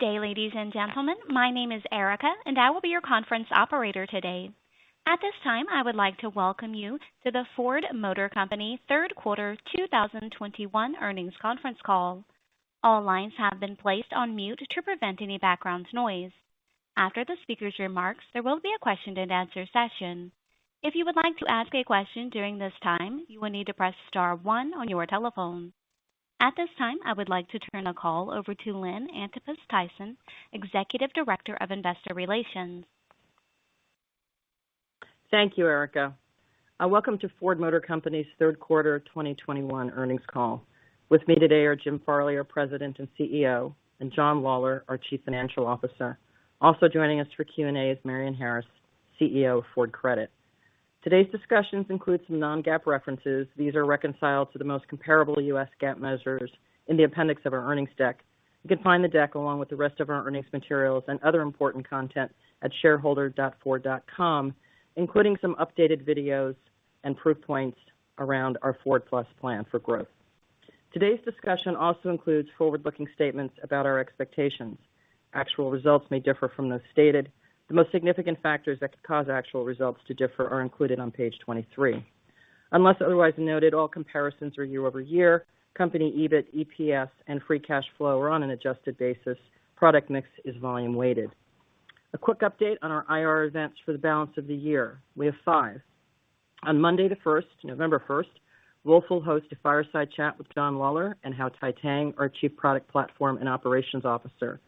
Good day, ladies and gentlemen. My name is Erica, and I will be your conference operator today. At this time, I would like to welcome you to the Ford Motor Company third quarter 2021 earnings conference call. All lines have been placed on mute to prevent any background noise. After the speaker's remarks, there will be a question-and-answer session. If you would like to ask a question during this time, you will need to press star one on your telephone. At this time, I would like to turn the call over to Lynn Antipas Tyson, Executive Director of Investor Relations. Thank you, Erica. Welcome to Ford Motor Company's third quarter of 2021 earnings call. With me today are Jim Farley, our President and CEO, and John Lawler, our Chief Financial Officer. Also joining us for Q&A is Marian Harris, CEO of Ford Credit. Today's discussions include some non-GAAP references. These are reconciled to the most comparable U.S. GAAP measures in the appendix of our earnings deck. You can find the deck along with the rest of our earnings materials and other important content at shareholder.ford.com, including some updated videos and proof points around our Ford+ plan for growth. Today's discussion also includes forward-looking statements about our expectations. Actual results may differ from those stated. The most significant factors that could cause actual results to differ are included on page 23. Unless otherwise noted, all comparisons are year-over-year. Company EBIT, EPS, and free cash flow are on an adjusted basis. Product mix is volume-weighted. A quick update on our IR events for the balance of the year. We have five. On Monday the first, November first, Wolfe will host a fireside chat with John Lawler and Hau Thai-Tang, our Chief Product Platform and Operations Officer.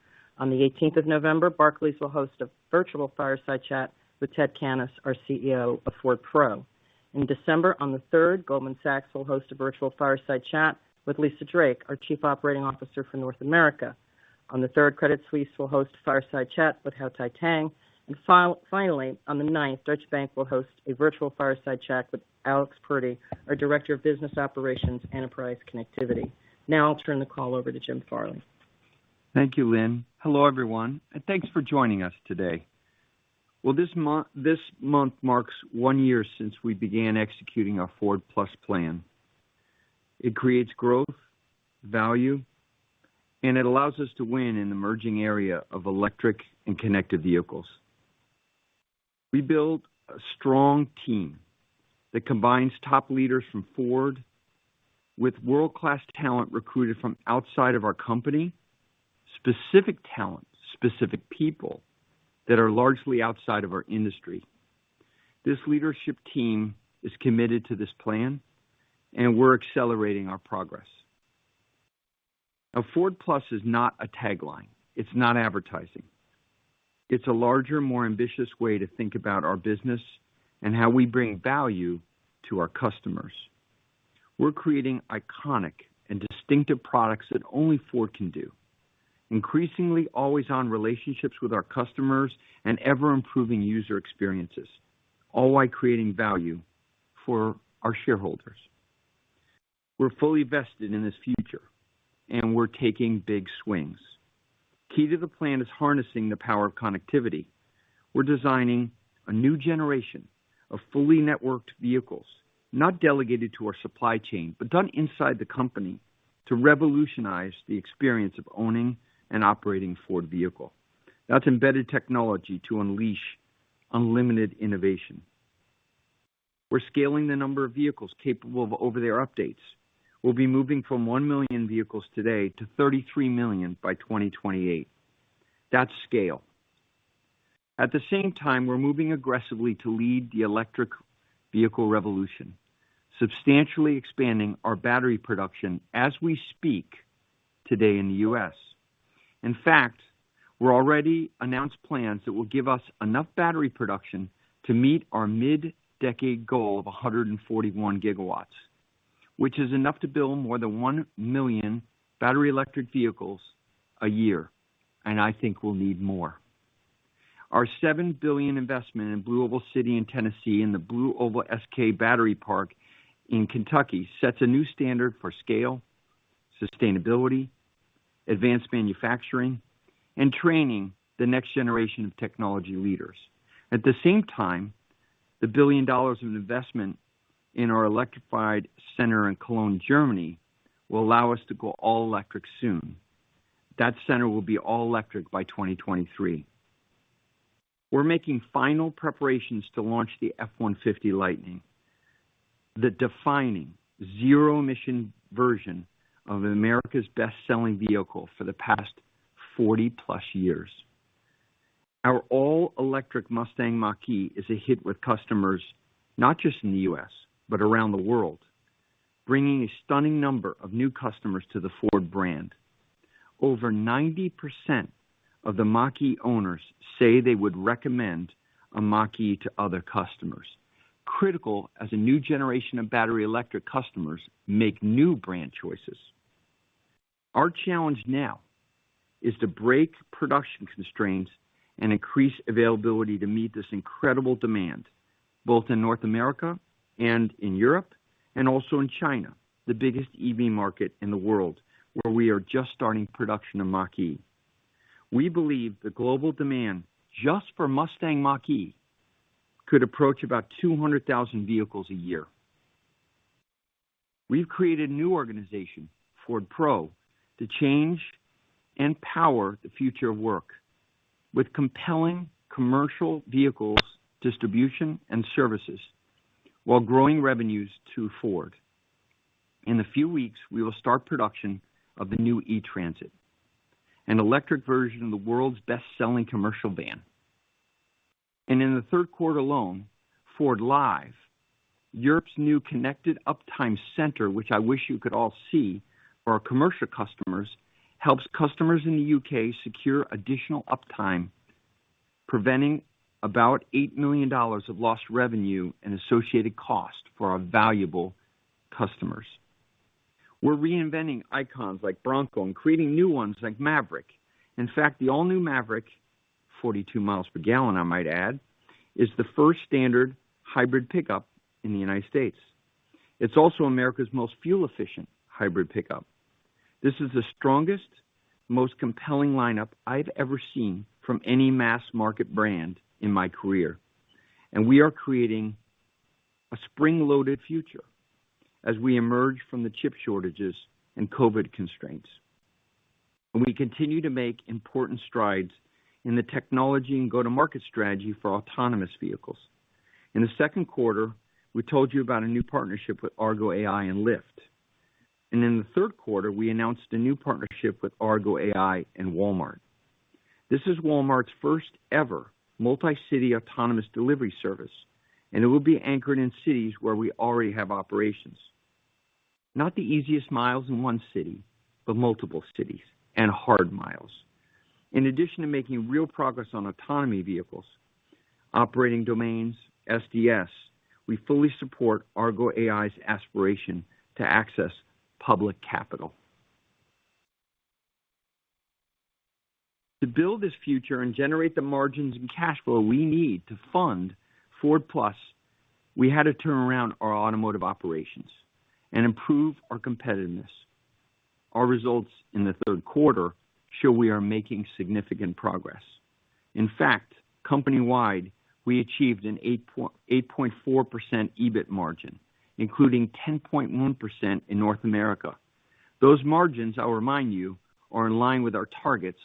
On the eighteenth of November, Barclays will host a virtual fireside chat with Ted Cannis, our CEO of Ford Pro. In December, on the third, Goldman Sachs will host a virtual fireside chat with Lisa Drake, our Chief Operating Officer for North America. On the third, Credit Suisse will host a fireside chat with Hau Thai-Tang. Finally, on the ninth, Deutsche Bank will host a virtual fireside chat with Alex Purdy, our Director of Business Operations, Enterprise Connectivity. Now I'll turn the call over to Jim Farley. Thank you, Lynn. Hello, everyone, and thanks for joining us today. Well, this month marks one year since we began executing our Ford+ plan. It creates growth, value, and it allows us to win in the emerging area of electric and connected vehicles. We built a strong team that combines top leaders from Ford with world-class talent recruited from outside of our company, specific talent, specific people that are largely outside of our industry. This leadership team is committed to this plan, and we're accelerating our progress. Now, Ford+ is not a tagline. It's not advertising. It's a larger, more ambitious way to think about our business and how we bring value to our customers. We're creating iconic and distinctive products that only Ford can do, increasingly always on relationships with our customers and ever-improving user experiences, all while creating value for our shareholders. We're fully vested in this future, and we're taking big swings. Key to the plan is harnessing the power of connectivity. We're designing a new generation of fully networked vehicles, not delegated to our supply chain, but done inside the company to revolutionize the experience of owning and operating a Ford vehicle. That's embedded technology to unleash unlimited innovation. We're scaling the number of vehicles capable of over-the-air updates. We'll be moving from 1 million vehicles today to 33 million by 2028. That's scale. At the same time, we're moving aggressively to lead the electric vehicle revolution, substantially expanding our battery production as we speak today in the U.S. In fact, we've already announced plans that will give us enough battery production to meet our mid-decade goal of 141 GW, which is enough to build more than 1 million battery electric vehicles a year. I think we'll need more. Our $7 billion investment in BlueOval City in Tennessee and the BlueOval SK Battery Park in Kentucky sets a new standard for scale, sustainability, advanced manufacturing, and training the next generation of technology leaders. At the same time, the $1 billion of investment in our electrified center in Cologne, Germany, will allow us to go all electric soon. That center will be all electric by 2023. We're making final preparations to launch the F-150 Lightning, the defining zero-emission version of America's best-selling vehicle for the past 40+ years. Our all-electric Mustang Mach-E is a hit with customers, not just in the U.S., but around the world, bringing a stunning number of new customers to the Ford brand. Over 90% of the Mach-E owners say they would recommend a Mach-E to other customers. critical as a new generation of battery electric customers make new brand choices. Our challenge now is to break production constraints and increase availability to meet this incredible demand, both in North America and in Europe and also in China, the biggest EV market in the world, where we are just starting production of Mach-E. We believe the global demand just for Mustang Mach-E could approach about 200,000 vehicles a year. We've created a new organization, Ford Pro, to change and power the future of work with compelling commercial vehicles, distribution, and services while growing revenues to Ford. In a few weeks, we will start production of the new E-Transit, an electric version of the world's best-selling commercial van. In the third quarter alone, FORDLiive, Europe's new connected uptime center, which I wish you could all see for our commercial customers, helps customers in the U.K. secure additional uptime, preventing about $8 million of lost revenue and associated cost for our valuable customers. We're reinventing icons like Bronco and creating new ones like Maverick. In fact, the all-new Maverick, 42 miles per gallon, I might add, is the first standard hybrid pickup in the United States. It's also America's most fuel-efficient hybrid pickup. This is the strongest, most compelling lineup I've ever seen from any mass-market brand in my career, and we are creating a spring-loaded future as we emerge from the chip shortages and COVID constraints. We continue to make important strides in the technology and go-to-market strategy for autonomous vehicles. In the second quarter, we told you about a new partnership with Argo AI and Lyft. In the third quarter, we announced a new partnership with Argo AI and Walmart. This is Walmart's first-ever multi-city autonomous delivery service, and it will be anchored in cities where we already have operations. Not the easiest miles in one city, but multiple cities and hard miles. In addition to making real progress on autonomy vehicles, operating domains, SDS, we fully support Argo AI's aspiration to access public capital. To build this future and generate the margins and cash flow we need to fund Ford+, we had to turn around our automotive operations and improve our competitiveness. Our results in the third quarter show we are making significant progress. In fact, company-wide, we achieved an 8.4% EBIT margin, including 10.1% in North America. Those margins, I'll remind you, are in line with our targets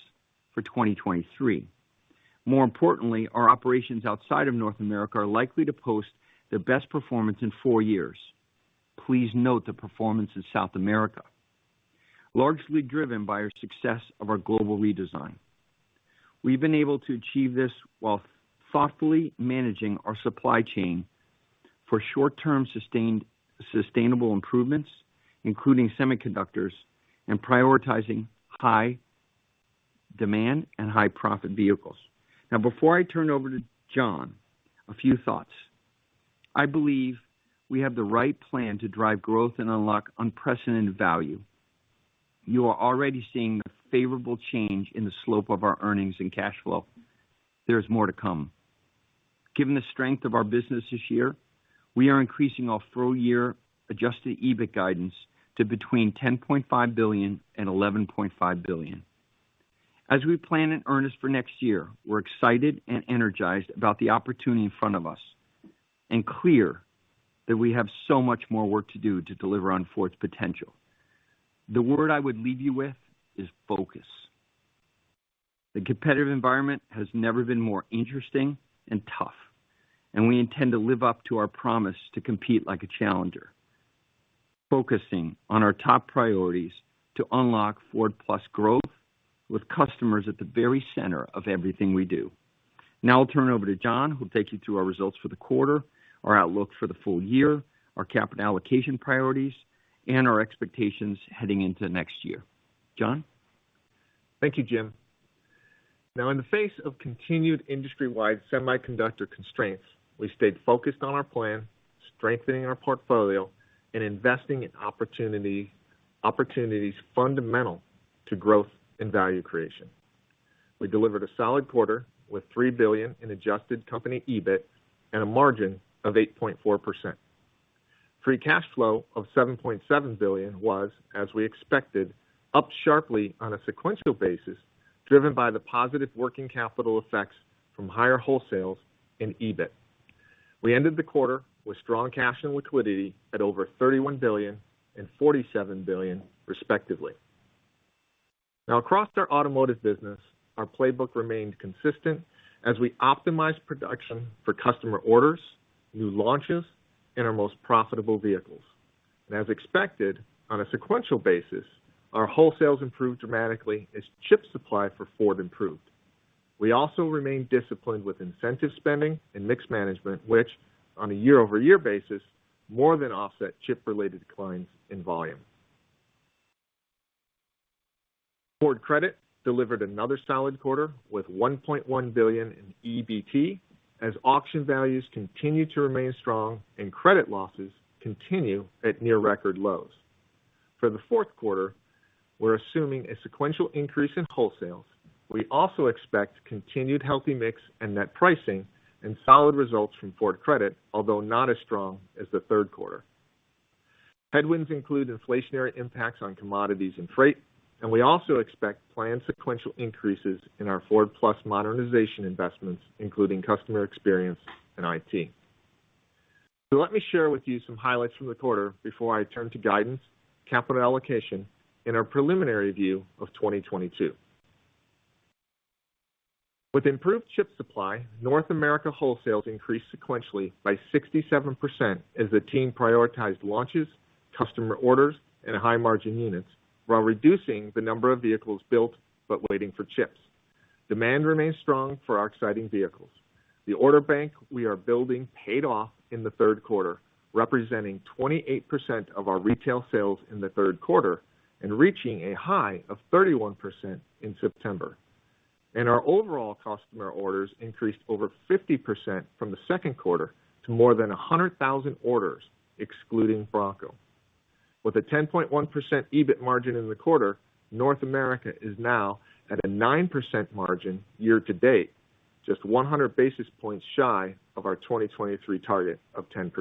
for 2023. More importantly, our operations outside of North America are likely to post their best performance in four years. Please note the performance in South America, largely driven by our success of our global redesign. We've been able to achieve this while thoughtfully managing our supply chain for short-term sustained, sustainable improvements, including semiconductors and prioritizing high demand and high-profit vehicles. Now before I turn it over to John, a few thoughts. I believe we have the right plan to drive growth and unlock unprecedented value. You are already seeing a favorable change in the slope of our earnings and cash flow. There is more to come. Given the strength of our business this year, we are increasing our full-year adjusted EBIT guidance to between $10.5 billion and $11.5 billion. As we plan in earnest for next year, we're excited and energized about the opportunity in front of us and clear that we have so much more work to do to deliver on Ford's potential. The word I would leave you with is focus. The competitive environment has never been more interesting and tough, and we intend to live up to our promise to compete like a challenger, focusing on our top priorities to unlock Ford+ growth with customers at the very center of everything we do. Now I'll turn it over to John, who will take you through our results for the quarter, our outlook for the full year, our capital allocation priorities, and our expectations heading into next year. John? Thank you, Jim. Now in the face of continued industry-wide semiconductor constraints, we stayed focused on our plan, strengthening our portfolio and investing in opportunities fundamental to growth and value creation. We delivered a solid quarter with $3 billion in adjusted company EBIT and a margin of 8.4%. Free cash flow of $7.7 billion was, as we expected, up sharply on a sequential basis, driven by the positive working capital effects from higher wholesales and EBIT. We ended the quarter with strong cash and liquidity at over $31 billion and $47 billion respectively. Now across our automotive business, our playbook remained consistent as we optimized production for customer orders, new launches, and our most profitable vehicles. As expected, on a sequential basis, our wholesales improved dramatically as chip supply for Ford improved. We also remain disciplined with incentive spending and mix management, which on a year-over-year basis more than offset chip-related declines in volume. Ford Credit delivered another solid quarter with $1.1 billion in EBT as auction values continue to remain strong and credit losses continue at near record lows. For the fourth quarter, we're assuming a sequential increase in wholesales. We also expect continued healthy mix and net pricing and solid results from Ford Credit, although not as strong as the third quarter. Headwinds include inflationary impacts on commodities and freight, and we also expect planned sequential increases in our Ford+ modernization investments, including customer experience and IT. Let me share with you some highlights from the quarter before I turn to guidance, capital allocation, and our preliminary view of 2022. With improved chip supply, North America wholesales increased sequentially by 67% as the team prioritized launches, customer orders, and high-margin units while reducing the number of vehicles built but waiting for chips. Demand remains strong for our exciting vehicles. The order bank we are building paid off in the third quarter, representing 28% of our retail sales in the third quarter and reaching a high of 31% in September. Our overall customer orders increased over 50% from the second quarter to more than 100,000 orders, excluding Bronco. With a 10.1% EBIT margin in the quarter, North America is now at a 9% margin year-to-date, just 100 basis points shy of our 2023 target of 10%.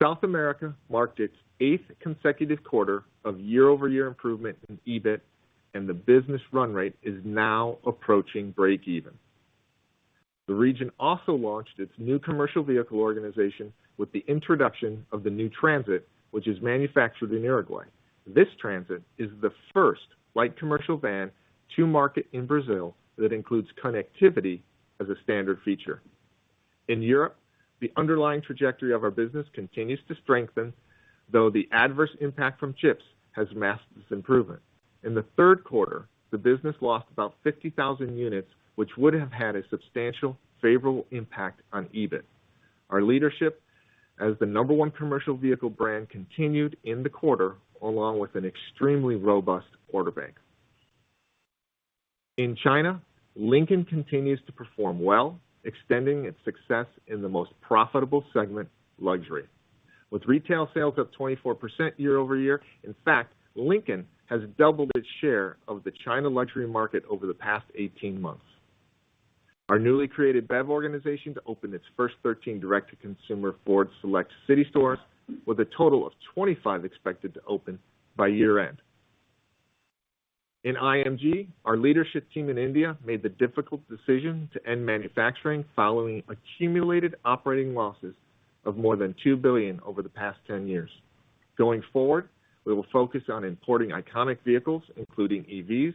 South America marked its eighth consecutive quarter of year-over-year improvement in EBIT, and the business run rate is now approaching break even. The region also launched its new commercial vehicle organization with the introduction of the new Transit, which is manufactured in Uruguay. This Transit is the first light commercial van to market in Brazil that includes connectivity as a standard feature. In Europe, the underlying trajectory of our business continues to strengthen, though the adverse impact from chips has masked this improvement. In the third quarter, the business lost about 50,000 units, which would have had a substantial favorable impact on EBIT. Our leadership as the number one commercial vehicle brand continued in the quarter, along with an extremely robust order bank. In China, Lincoln continues to perform well, extending its success in the most profitable segment, luxury. With retail sales up 24% year-over-year, in fact, Lincoln has doubled its share of the China luxury market over the past 18 months. Our newly created BEV organization opened its first 13 direct-to-consumer Ford Select city stores, with a total of 25 expected to open by year-end. In IMG, our leadership team in India made the difficult decision to end manufacturing following accumulated operating losses of more than $2 billion over the past 10 years. Going forward, we will focus on importing iconic vehicles, including EVs.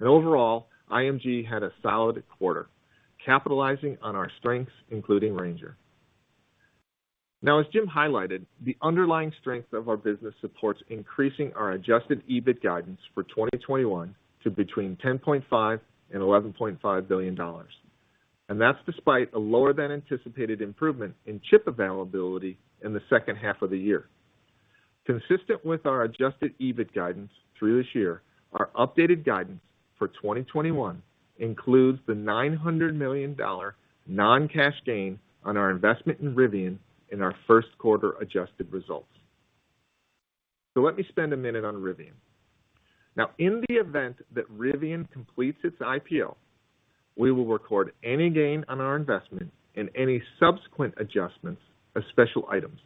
Overall, IMG had a solid quarter, capitalizing on our strengths, including Ranger. Now, as Jim highlighted, the underlying strength of our business supports increasing our adjusted EBIT guidance for 2021 to between $10.5 billion and $11.5 billion. That's despite a lower than anticipated improvement in chip availability in the second half of the year. Consistent with our adjusted EBIT guidance through this year, our updated guidance for 2021 includes the $900 million non-cash gain on our investment in Rivian in our first quarter adjusted results. Let me spend a minute on Rivian. Now, in the event that Rivian completes its IPO, we will record any gain on our investment and any subsequent adjustments as special items.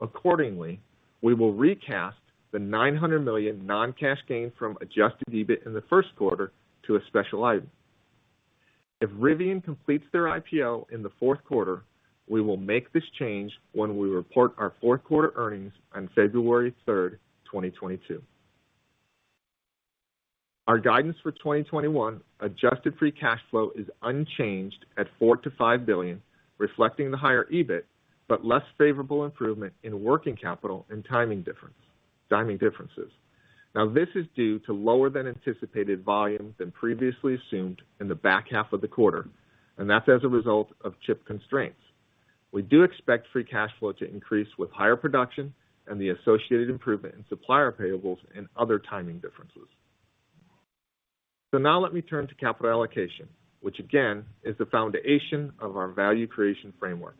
Accordingly, we will recast the $900 million non-cash gain from adjusted EBIT in the first quarter to a special item. If Rivian completes their IPO in the fourth quarter, we will make this change when we report our fourth quarter earnings on February 3, 2022. Our guidance for 2021 adjusted free cash flow is unchanged at $4 billion-$5 billion, reflecting the higher EBIT, but less favorable improvement in working capital and timing difference, timing differences. This is due to lower than anticipated volume than previously assumed in the back half of the quarter, and that's as a result of chip constraints. We do expect free cash flow to increase with higher production and the associated improvement in supplier payables and other timing differences. Now let me turn to capital allocation, which again, is the foundation of our value creation framework.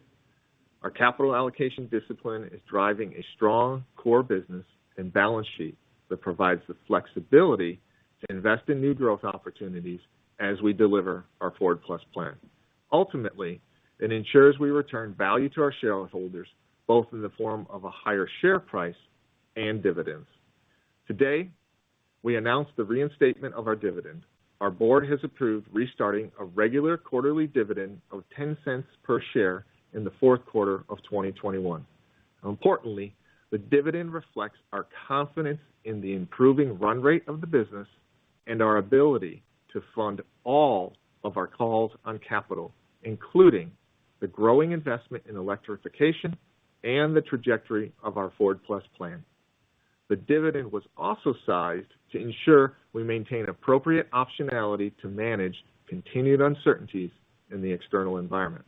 Our capital allocation discipline is driving a strong core business and balance sheet that provides the flexibility to invest in new growth opportunities as we deliver our Ford+ plan. Ultimately, it ensures we return value to our shareholders, both in the form of a higher share price and dividends. Today, we announced the reinstatement of our dividend. Our board has approved restarting a regular quarterly dividend of $0.10 per share in the fourth quarter of 2021. Importantly, the dividend reflects our confidence in the improving run rate of the business and our ability to fund all of our calls on capital, including the growing investment in electrification and the trajectory of our Ford+ plan. The dividend was also sized to ensure we maintain appropriate optionality to manage continued uncertainties in the external environment.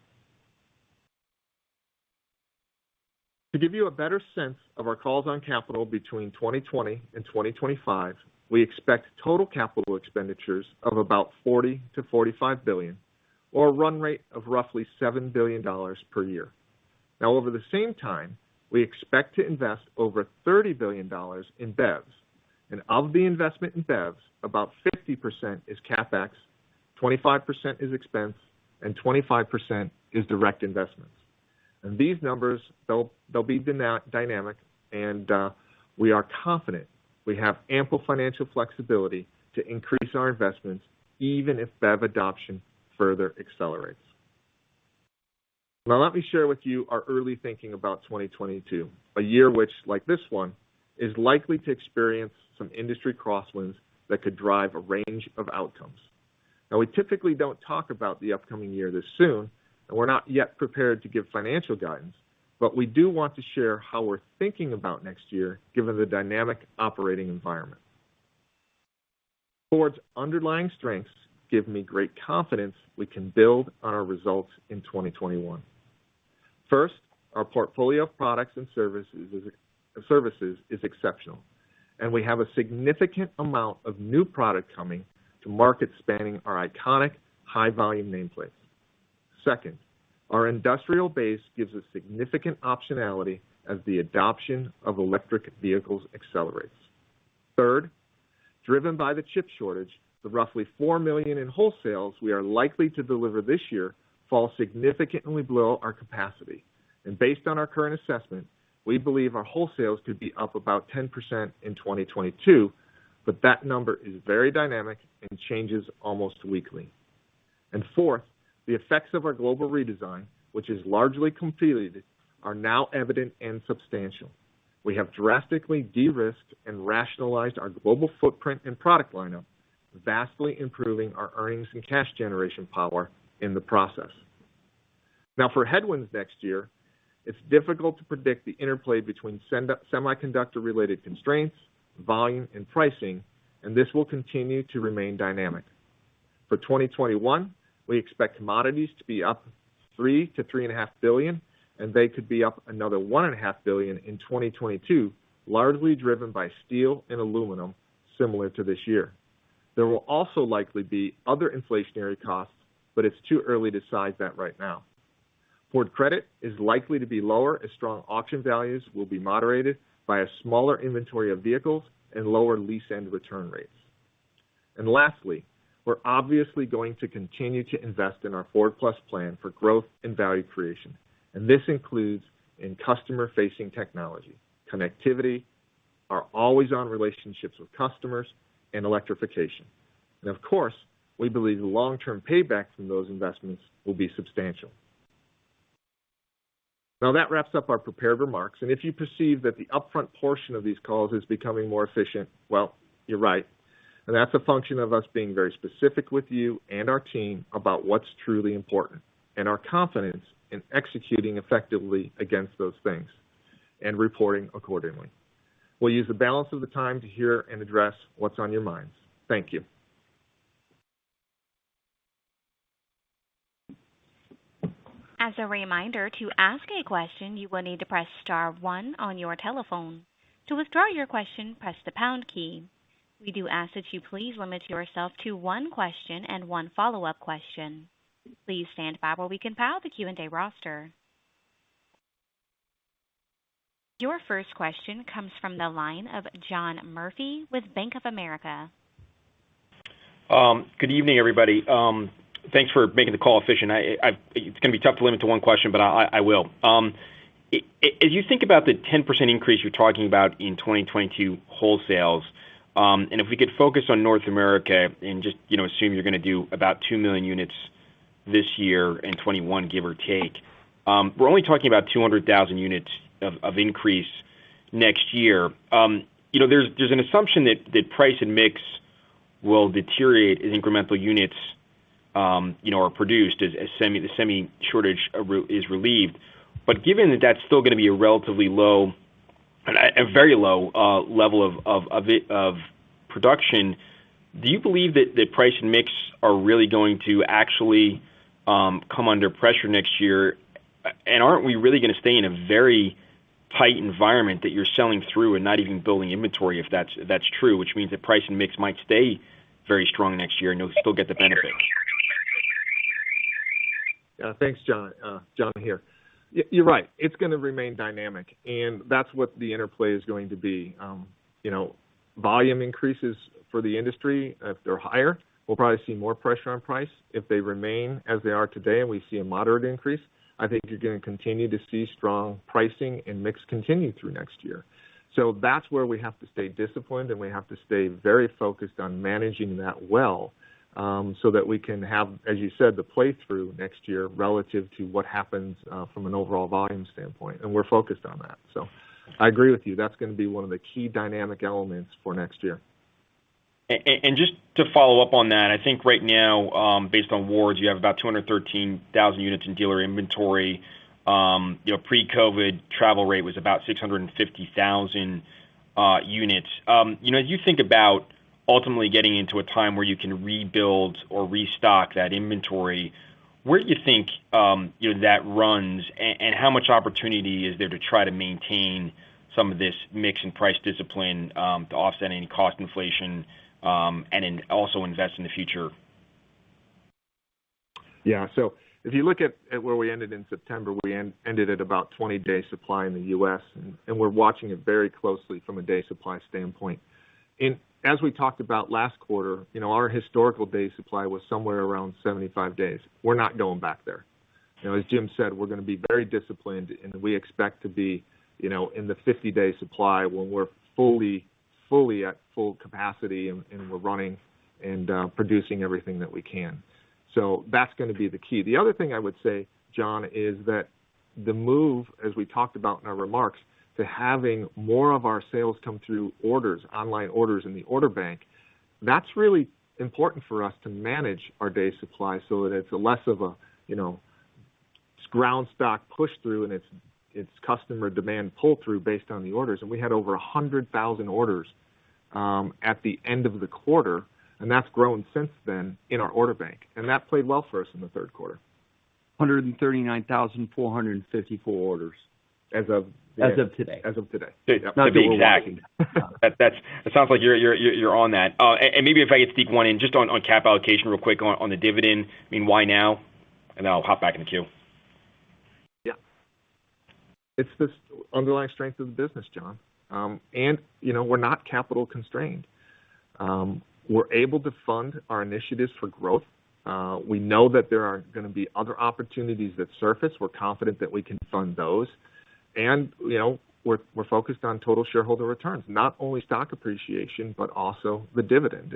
To give you a better sense of our calls on capital between 2020 and 2025, we expect total capital expenditures of about $40 billion-$45 billion or a run rate of roughly $7 billion per year. Now, over the same time, we expect to invest over $30 billion in BEVs. Of the investment in BEVs, about 50% is CapEx, 25% is expense, and 25% is direct investments. These numbers, they'll be dynamic, and we are confident we have ample financial flexibility to increase our investments even if BEV adoption further accelerates. Now let me share with you our early thinking about 2022, a year which, like this one, is likely to experience some industry crosswinds that could drive a range of outcomes. Now we typically don't talk about the upcoming year this soon, and we're not yet prepared to give financial guidance, but we do want to share how we're thinking about next year given the dynamic operating environment. Ford's underlying strengths give me great confidence we can build on our results in 2021. First, our portfolio of products and services is exceptional, and we have a significant amount of new product coming to market spanning our iconic high-volume nameplates. Second, our industrial base gives us significant optionality as the adoption of electric vehicles accelerates. Third, driven by the chip shortage, the roughly 4 million in wholesales we are likely to deliver this year fall significantly below our capacity. Based on our current assessment, we believe our wholesales could be up about 10% in 2022, but that number is very dynamic and changes almost weekly. Fourth, the effects of our global redesign, which is largely completed, are now evident and substantial. We have drastically de-risked and rationalized our global footprint and product lineup, vastly improving our earnings and cash generation power in the process. Now, for headwinds next year, it's difficult to predict the interplay between semiconductor-related constraints, volume, and pricing, and this will continue to remain dynamic. For 2021, we expect commodities to be up $3 billion-$3.5 billion, and they could be up another $1.5 billion in 2022, largely driven by steel and aluminum similar to this year. There will also likely be other inflationary costs, but it's too early to size that right now. Ford Credit is likely to be lower as strong auction values will be moderated by a smaller inventory of vehicles and lower lease end return rates. Lastly, we're obviously going to continue to invest in our Ford+ plan for growth and value creation, and this includes in customer-facing technology, connectivity, our always-on relationships with customers, and electrification. Of course, we believe the long-term payback from those investments will be substantial. Now that wraps up our prepared remarks, and if you perceive that the upfront portion of these calls is becoming more efficient, well, you're right. That's a function of us being very specific with you and our team about what's truly important and our confidence in executing effectively against those things and reporting accordingly. We'll use the balance of the time to hear and address what's on your minds. Thank you. As a reminder, to ask a question, you will need to press star one on your telephone. To withdraw your question, press the pound key. We do ask that you please limit yourself to one question and one follow-up question. Please stand by while we compile the Q&A roster. Your first question comes from the line of John Murphy with Bank of America. Good evening, everybody. Thanks for making the call efficient. It's gonna be tough to limit to one question, but I will. As you think about the 10% increase you're talking about in 2022 wholesales, and if we could focus on North America and just, you know, assume you're gonna do about 2 million units this year and 2021, give or take, we're only talking about 200,000 units of increase next year. You know, there's an assumption that price and mix will deteriorate as incremental units, you know, are produced as semi, the semi shortage is relieved. Given that that's still gonna be a relatively low and a very low level of production, do you believe that price and mix are really going to actually come under pressure next year? Aren't we really gonna stay in a very tight environment that you're selling through and not even building inventory if that's true, which means that price and mix might stay very strong next year and you'll still get the benefit? Yeah. Thanks, John. John here. You're right. It's gonna remain dynamic, and that's what the interplay is going to be. You know, volume increases for the industry, if they're higher, we'll probably see more pressure on price. If they remain as they are today and we see a moderate increase, I think you're gonna continue to see strong pricing and mix continue through next year. That's where we have to stay disciplined, and we have to stay very focused on managing that well, so that we can have, as you said, the play through next year relative to what happens, from an overall volume standpoint, and we're focused on that. I agree with you. That's gonna be one of the key dynamic elements for next year. Just to follow up on that, I think right now, based on WardsAuto, you have about 213,000 units in dealer inventory. You know, pre-COVID travel rate was about 650,000 units. You know, as you think about ultimately getting into a time where you can rebuild or restock that inventory, where do you think that runs? And how much opportunity is there to try to maintain some of this mix and price discipline to offset any cost inflation, and also invest in the future? Yeah. If you look at where we ended in September, we ended at about 20-day supply in the U.S., and we're watching it very closely from a day supply standpoint. As we talked about last quarter, you know, our historical day supply was somewhere around 75 days. We're not going back there. You know, as Jim said, we're gonna be very disciplined, and we expect to be, you know, in the 50-day supply when we're fully at full capacity, and we're running and producing everything that we can. That's gonna be the key. The other thing I would say, John, is that the move, as we talked about in our remarks, to having more of our sales come through orders, online orders in the order bank, that's really important for us to manage our day supply so that it's less of a, you know, ground stock push-through, and it's customer demand pull-through based on the orders. We had over 100,000 orders at the end of the quarter, and that's grown since then in our order bank. That played well for us in the third quarter. 139,454 orders. As of? As of today. As of today. It's not. To be exact. That's. It sounds like you're on that. And maybe if I could sneak one in just on cap allocation real quick, on the dividend. I mean, why now? I'll hop back in the queue. Yeah. It's the underlying strength of the business, John. You know, we're not capital constrained. We're able to fund our initiatives for growth. We know that there are gonna be other opportunities that surface. We're confident that we can fund those. You know, we're focused on total shareholder returns, not only stock appreciation, but also the dividend.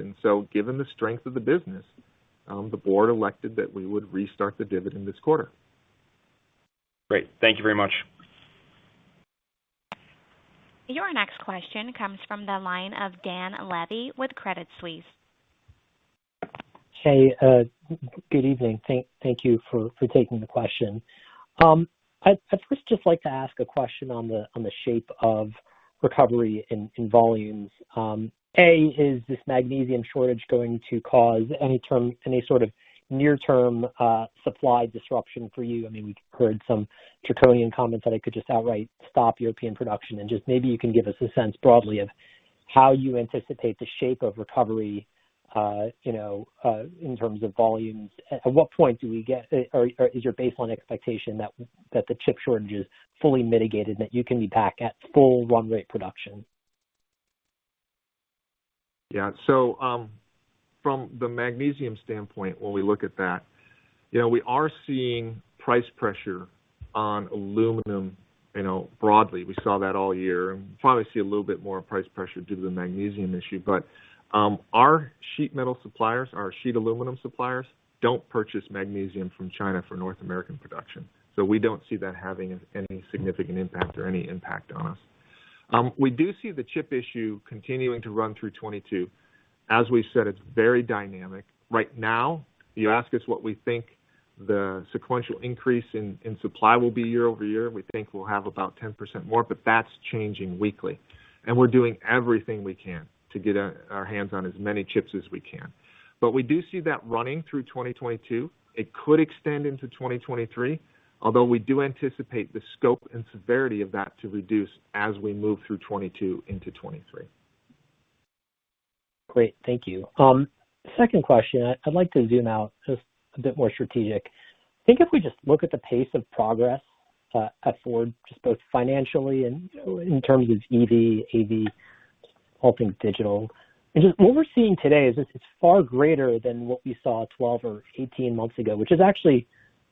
Given the strength of the business, the board elected that we would restart the dividend this quarter. Great. Thank you very much. Your next question comes from the line of Dan Levy with Credit Suisse. Hey, good evening. Thank you for taking the question. I'd first just like to ask a question on the shape of recovery in volumes. Is this magnesium shortage going to cause any sort of near-term supply disruption for you? I mean, we've heard some draconian comments that it could just outright stop European production. Just maybe you can give us a sense broadly of how you anticipate the shape of recovery, you know, in terms of volumes? At what point do we get or is your baseline expectation that the chip shortage is fully mitigated, and that you can be back at full run rate production? Yeah. From the magnesium standpoint, when we look at that, you know, we are seeing price pressure on aluminum, you know, broadly. We saw that all year and probably see a little bit more price pressure due to the magnesium issue. Our sheet metal suppliers, our sheet aluminum suppliers, don't purchase magnesium from China for North American production. We don't see that having any significant impact or any impact on us. We do see the chip issue continuing to run through 2022. As we said, it's very dynamic. Right now, you ask us what we think the sequential increase in supply will be year-over-year, we think we'll have about 10% more, but that's changing weekly. We're doing everything we can to get our hands on as many chips as we can. We do see that running through 2022. It could extend into 2023, although we do anticipate the scope and severity of that to reduce as we move through 2022 into 2023. Great. Thank you. Second question. I'd like to zoom out just a bit more strategic. I think if we just look at the pace of progress at Ford, just both financially and in terms of EV, AV, all things digital, and just what we're seeing today is it's far greater than what we saw 12 or 18 months ago? Which is actually,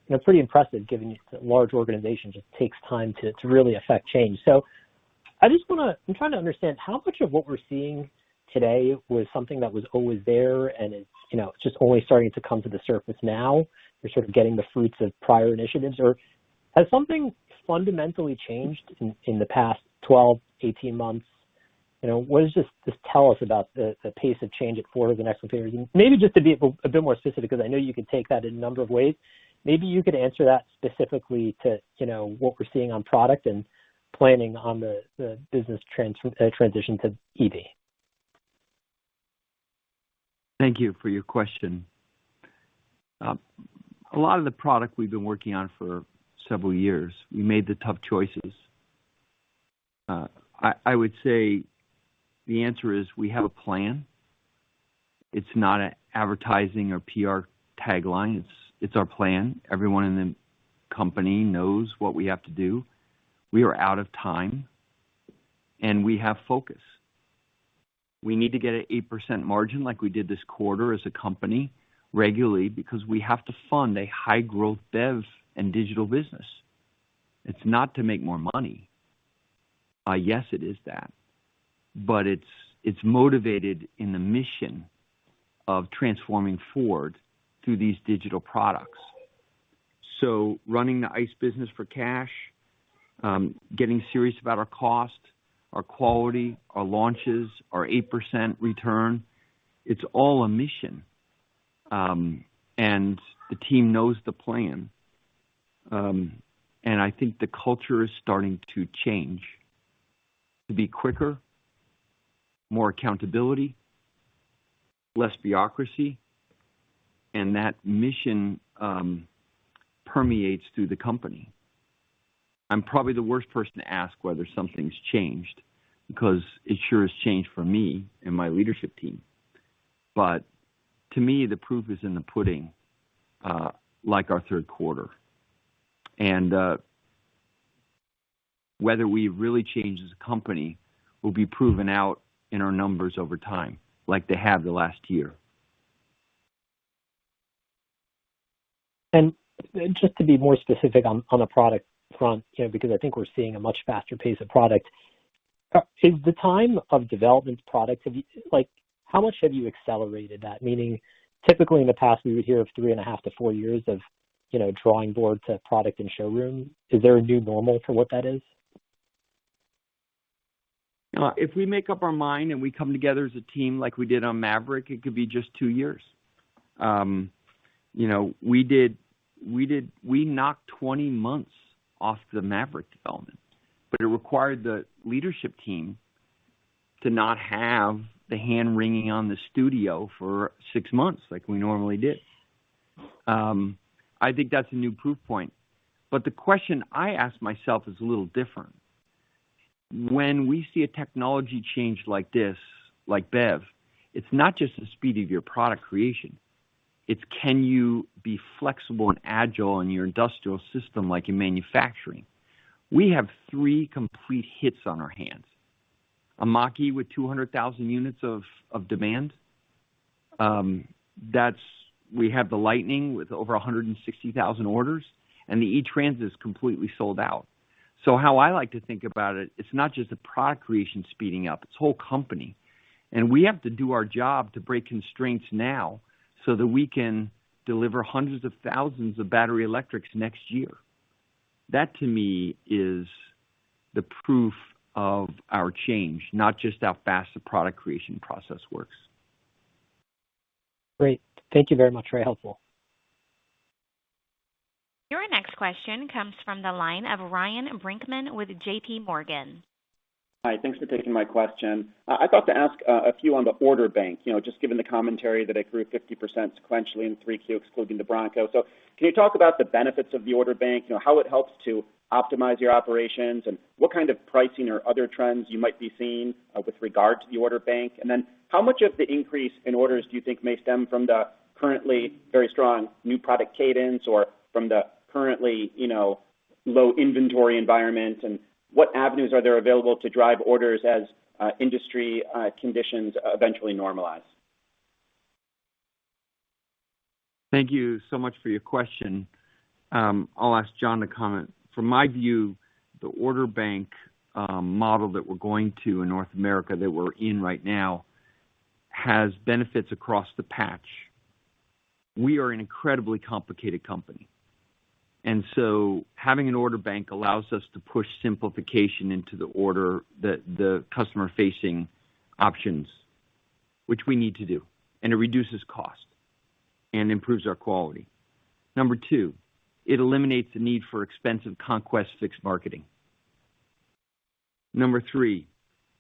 you know, pretty impressive given it's a large organization, just takes time to really affect change. I just wanna I'm trying to understand how much of what we're seeing today was something that was always there, and it's, you know, it's just only starting to come to the surface now? We're sort of getting the fruits of prior initiatives. Or has something fundamentally changed in the past 12, 18 months? You know, what does this tell us about the pace of change at Ford in the next few years? Maybe just to be a bit more specific, because I know you can take that in a number of ways, maybe you could answer that specifically to, you know, what we're seeing on product and planning on the business transition to EV. Thank you for your question. A lot of the product we've been working on for several years, we made the tough choices. I would say the answer is we have a plan. It's not an advertising or PR tagline. It's our plan. Everyone in the company knows what we have to do. We are out of time, and we have focus. We need to get an 8% margin like we did this quarter as a company regularly because we have to fund a high-growth dev and digital business. It's not to make more money. Yes, it is that, but it's motivated in the mission of transforming Ford through these digital products. Running the ICE business for cash, getting serious about our cost, our quality, our launches, our 8% return, it's all a mission. The team knows the plan. I think the culture is starting to change, to be quicker, more accountability, less bureaucracy, and that mission permeates through the company. I'm probably the worst person to ask whether something's changed because it sure has changed for me and my leadership team. To me, the proof is in the pudding, like our third quarter. Whether we really change as a company will be proven out in our numbers over time, like they have the last year. Just to be more specific on the product front, you know, because I think we're seeing a much faster pace of product. Is the time of development like how much have you accelerated that? Meaning typically in the past, we would hear of three in a half to four years of, you know, drawing board to product and showroom. Is there a new normal for what that is? If we make up our mind and we come together as a team like we did on Maverick, it could be just two years. You know, we knocked 20 months off the Maverick development, but it required the leadership team to not have the hand wringing on the studio for six months like we normally did. I think that's a new proof point. The question I ask myself is a little different. When we see a technology change like this, like BEV, it's not just the speed of your product creation. It's can you be flexible and agile in your industrial system, like in manufacturing? We have three complete hits on our hands. A Mach-E with 200,000 units of demand. We have the Lightning with over 160,000 orders, and the E-Transit is completely sold out. How I like to think about it's not just the product creation speeding up, it's whole company. We have to do our job to break constraints now so that we can deliver hundreds of thousands of battery electrics next year. That to me is the proof of our change, not just how fast the product creation process works. Great. Thank you very much. Very helpful. Your next question comes from the line of Ryan Brinkman with JPMorgan. Hi. Thanks for taking my question. I'd thought to ask a few on the order bank, you know, just given the commentary that it grew 50% sequentially in 3Q, excluding the Bronco. Can you talk about the benefits of the order bank? You know, how it helps to optimize your operations, and what kind of pricing or other trends you might be seeing with regard to the order bank? And then how much of the increase in orders do you think may stem from the currently very strong new product cadence or from the currently, you know, low inventory environment? And what avenues are there available to drive orders as industry conditions eventually normalize? Thank you so much for your question. I'll ask John to comment. From my view, the order bank model that we're going to in North America, that we're in right now, has benefits across the board. We are an incredibly complicated company, and so having an order bank allows us to push simplification into the order, the customer facing options, which we need to do, and it reduces cost and improves our quality. Number two, it eliminates the need for expensive conquest fixed marketing. Number three,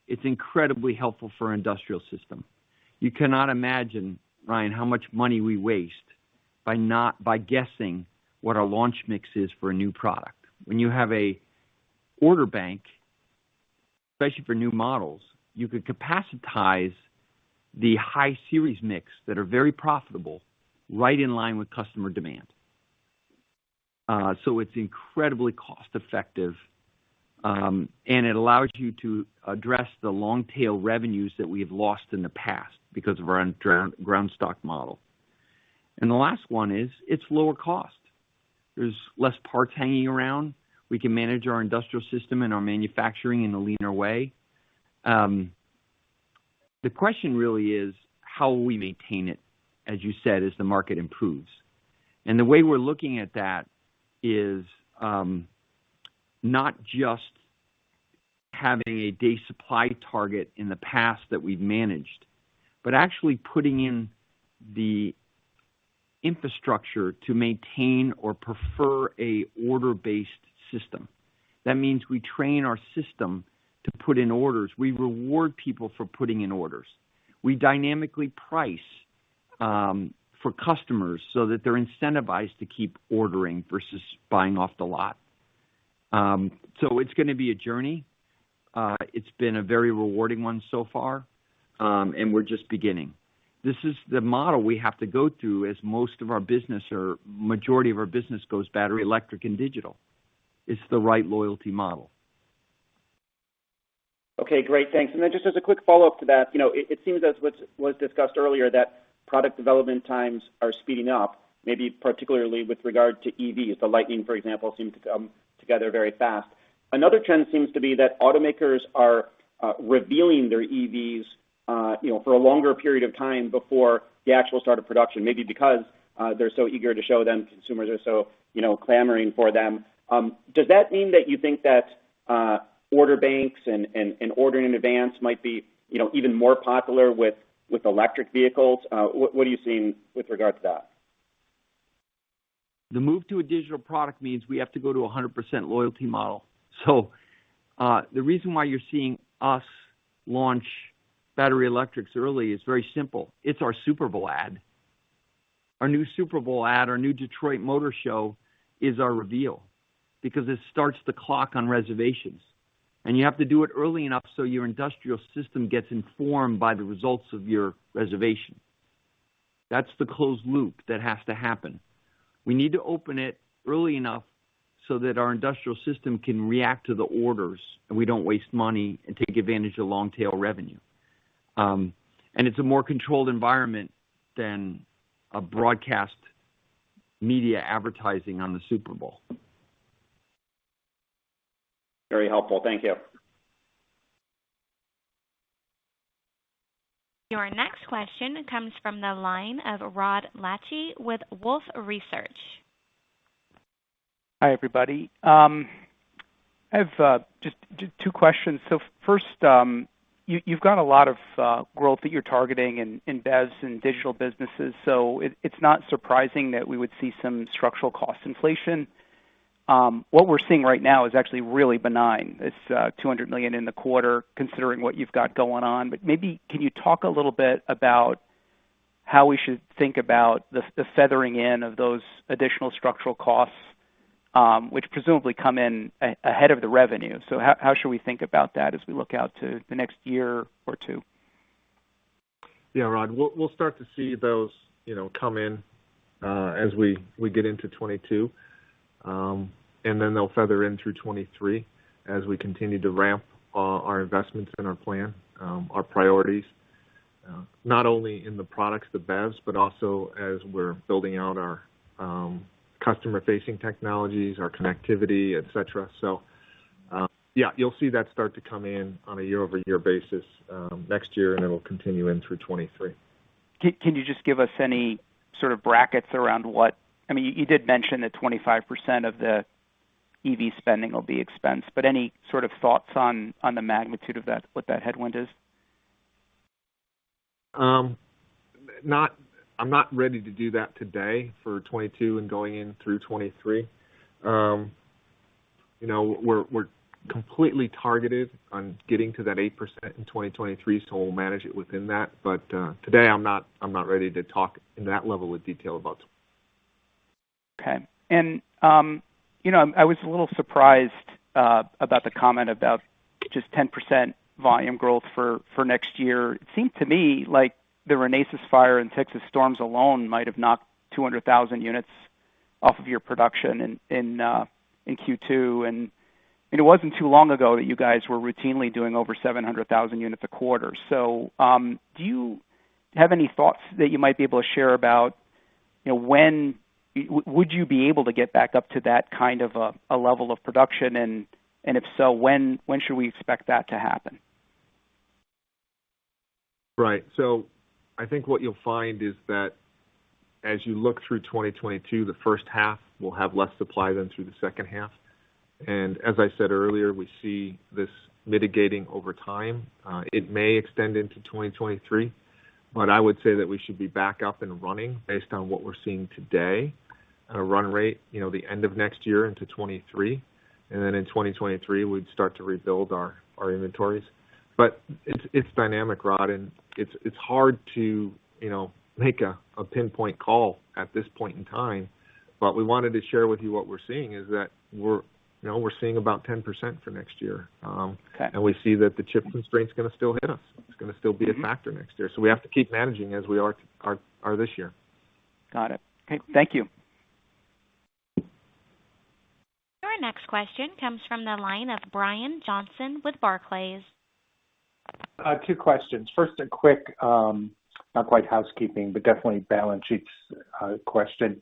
it's incredibly helpful for our industrial system. You cannot imagine, Ryan, how much money we waste by guessing what our launch mix is for a new product. When you have an order bank, especially for new models, you could capacitize the high series mix that are very profitable right in line with customer demand. It's incredibly cost effective, and it allows you to address the long tail revenues that we have lost in the past because of our ungrounded stock model. The last one is, it's lower cost. There's less parts hanging around. We can manage our industrial system and our manufacturing in a leaner way. The question really is, how will we maintain it, as you said, as the market improves. The way we're looking at that is, not just having a day supply target in the past that we've managed, but actually putting in the infrastructure to maintain or prefer a order-based system. That means we train our system to put in orders. We reward people for putting in orders. We dynamically price, for customers so that they're incentivized to keep ordering versus buying off the lot. It's gonna be a journey. It's been a very rewarding one so far. We're just beginning. This is the model we have to go to as most of our business or majority of our business goes battery, electric and digital. It's the right loyalty model. Okay, great. Thanks. Just as a quick follow-up to that, you know, it seems as what was discussed earlier that product development times are speeding up, maybe particularly with regard to EVs. The Lightning, for example, seemed to come together very fast. Another trend seems to be that automakers are revealing their EVs, you know, for a longer period of time before the actual start of production, maybe because they're so eager to show them, consumers are so, you know, clamoring for them. Does that mean that you think that order banks and ordering in advance might be, you know, even more popular with electric vehicles? What are you seeing with regard to that? The move to a digital product means we have to go to a 100% loyalty model. The reason why you're seeing us launch battery electrics early is very simple. It's our Super Bowl ad. Our new Super Bowl ad, our new Detroit Auto Show is our reveal because it starts the clock on reservations, and you have to do it early enough so your industrial system gets informed by the results of your reservation. That's the closed loop that has to happen. We need to open it early enough so that our industrial system can react to the orders, and we don't waste money and take advantage of long-tail revenue. It's a more controlled environment than a broadcast media advertising on the Super Bowl. Very helpful. Thank you. Your next question comes from the line of Rod Lache with Wolfe Research. Hi, everybody. I have just two questions. First, you've got a lot of growth that you're targeting in BEVs and digital businesses. It's not surprising that we would see some structural cost inflation. What we're seeing right now is actually really benign. It's $200 million in the quarter considering what you've got going on. Maybe can you talk a little bit about how we should think about the feathering in of those additional structural costs, which presumably come in ahead of the revenue. How should we think about that as we look out to the next year or two? Yeah, Rod. We'll start to see those, you know, come in as we get into 2022. Then they'll feather in through 2023 as we continue to ramp our investments in our plan, our priorities, not only in the products, the BEVs, but also as we're building out our customer-facing technologies, our connectivity, etc. Yeah, you'll see that start to come in on a year-over-year basis, next year, and it'll continue in through 2023. Can you just give us any sort of brackets around what I mean, you did mention that 25% of the EV spending will be expensed, but any sort of thoughts on the magnitude of that, what that headwind is? I'm not ready to do that today for 2022 and going in through 2023. You know, we're completely targeted on getting to that 8% in 2023, so we'll manage it within that. Today, I'm not ready to talk in that level of detail about it. Okay. I was a little surprised about the comment about just 10% volume growth for next year. It seemed to me like the Renesas fire and Texas storms alone might have knocked 200,000 units off of your production in Q2. It wasn't too long ago that you guys were routinely doing over 700,000 units a quarter. Do you have any thoughts that you might be able to share about, you know, when would you be able to get back up to that kind of a level of production? If so, when should we expect that to happen? Right. I think what you'll find is that as you look through 2022, the first half will have less supply than through the second half. As I said earlier, we see this mitigating over time. It may extend into 2023, but I would say that we should be back up and running based on what we're seeing today on a run rate, you know, the end of next year into 2023. Then in 2023, we'd start to rebuild our inventories. It's dynamic, Rod, and it's hard to, you know, make a pinpoint call at this point in time. We wanted to share with you what we're seeing is that we're seeing about 10% for next year. Okay. We see that the chip constraint is gonna still hit us. It's gonna still be a factor next year. We have to keep managing as we are this year. Got it. Okay. Thank you. Your next question comes from the line of Brian Johnson with Barclays. Two questions. First, a quick, not quite housekeeping, but definitely balance sheets, question.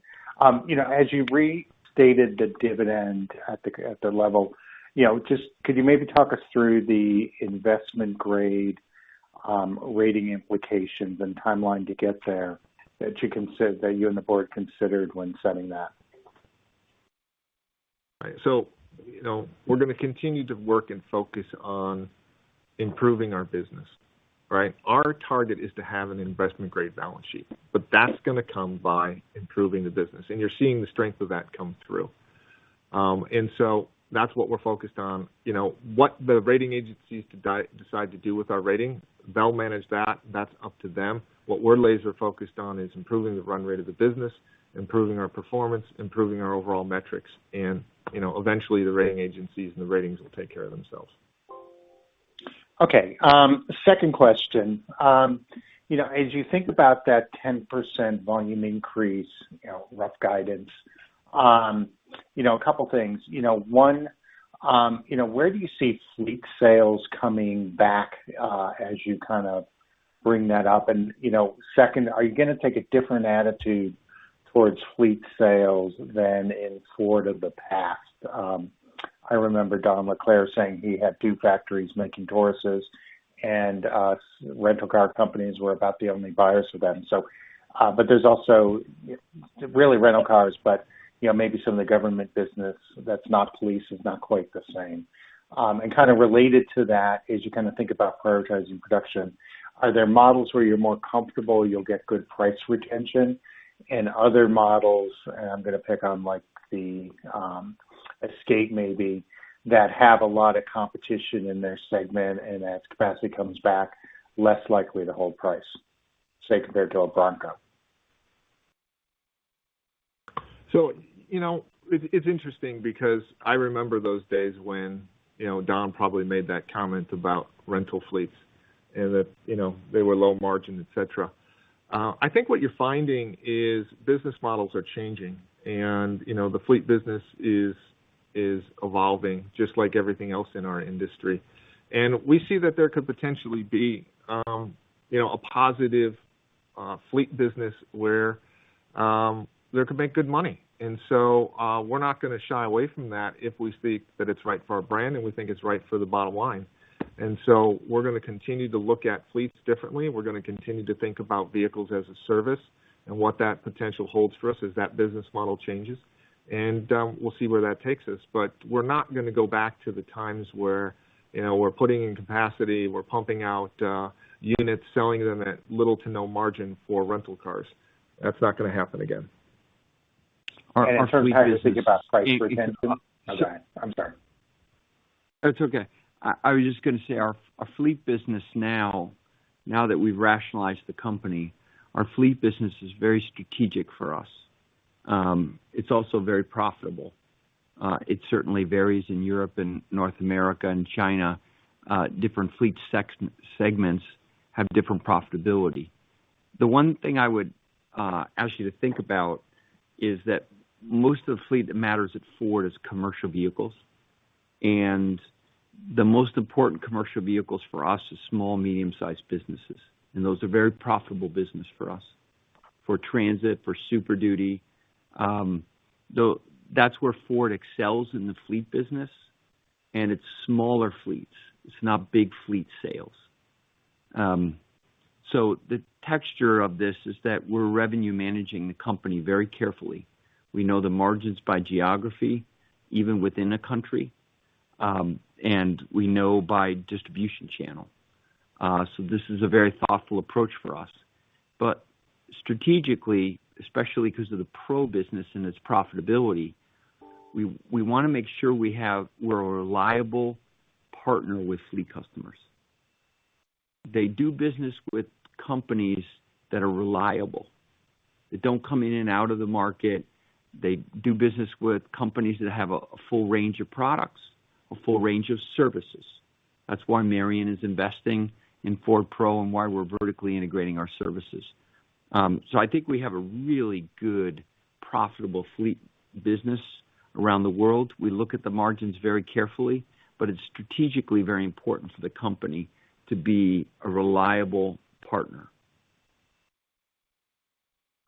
You know, as you restated the dividend at the level, you know, just could you maybe talk us through the investment grade, rating implications and timeline to get there that you and the board considered when setting that? Right. You know, we're gonna continue to work and focus on improving our business, right? Our target is to have an investment-grade balance sheet, but that's gonna come by improving the business, and you're seeing the strength of that come through. That's what we're focused on. You know, what the rating agencies decide to do with our rating, they'll manage that. That's up to them. What we're laser focused on is improving the run rate of the business, improving our performance, improving our overall metrics, and, you know, eventually the rating agencies and the ratings will take care of themselves. Okay. Second question. You know, as you think about that 10% volume increase, you know, rough guidance, you know, a couple of things. You know, one, you know, where do you see fleet sales coming back, as you kind of bring that up? You know, second, are you gonna take a different attitude towards fleet sales than in Ford of the past? I remember Don LeClair saying he had two factories making Taurus, and rental car companies were about the only buyers of them. But there's also really rental cars, but, you know, maybe some of the government business that's not police is not quite the same. Kind of related to that, as you kind a think about prioritizing production, are there models where you're more comfortable you'll get good price retention and other models, and I'm gonna pick on, like, the Escape maybe, that have a lot of competition in their segment and as capacity comes back, less likely to hold price, say, compared to a Bronco? You know, it's interesting because I remember those days when, you know, Don probably made that comment about rental fleets and that, you know, they were low margin, etc. I think what you're finding is business models are changing and, you know, the fleet business is evolving just like everything else in our industry. We see that there could potentially be, you know, a positive fleet business where they could make good money. We're not gonna shy away from that if we see that it's right for our brand and we think it's right for the bottom line. We're gonna continue to look at fleets differently. We're gonna continue to think about vehicles as a service and what that potential holds for us as that business model changes. We'll see where that takes us. We're not gonna go back to the times where, you know, we're putting in capacity, we're pumping out, units, selling them at little to no margin for rental cars. That's not gonna happen again. Our fleet business. In terms of how you think about price retention? Go ahead. I'm sorry. It's okay. I was just gonna say, our fleet business now that we've rationalized the company, our fleet business is very strategic for us. It's also very profitable. It certainly varies in Europe and North America and China. Different fleet segments have different profitability. The one thing I would ask you to think about is that most of the fleet that matters at Ford is commercial vehicles. The most important commercial vehicles for us is small, medium-sized businesses. Those are very profitable business for us for Transit, for Super Duty. That's where Ford excels in the fleet business. It's smaller fleets. It's not big fleet sales. The texture of this is that we're revenue managing the company very carefully. We know the margins by geography, even within a country, and we know by distribution channel. This is a very thoughtful approach for us. Strategically, especially 'cause of the Pro business and its profitability, we wanna make sure we're a reliable partner with fleet customers. They do business with companies that are reliable. They don't come in and out of the market. They do business with companies that have a full range of products, a full range of services. That's why Marion is investing in Ford Pro and why we're vertically integrating our services. I think we have a really good profitable fleet business around the world. We look at the margins very carefully, but it's strategically very important for the company to be a reliable partner.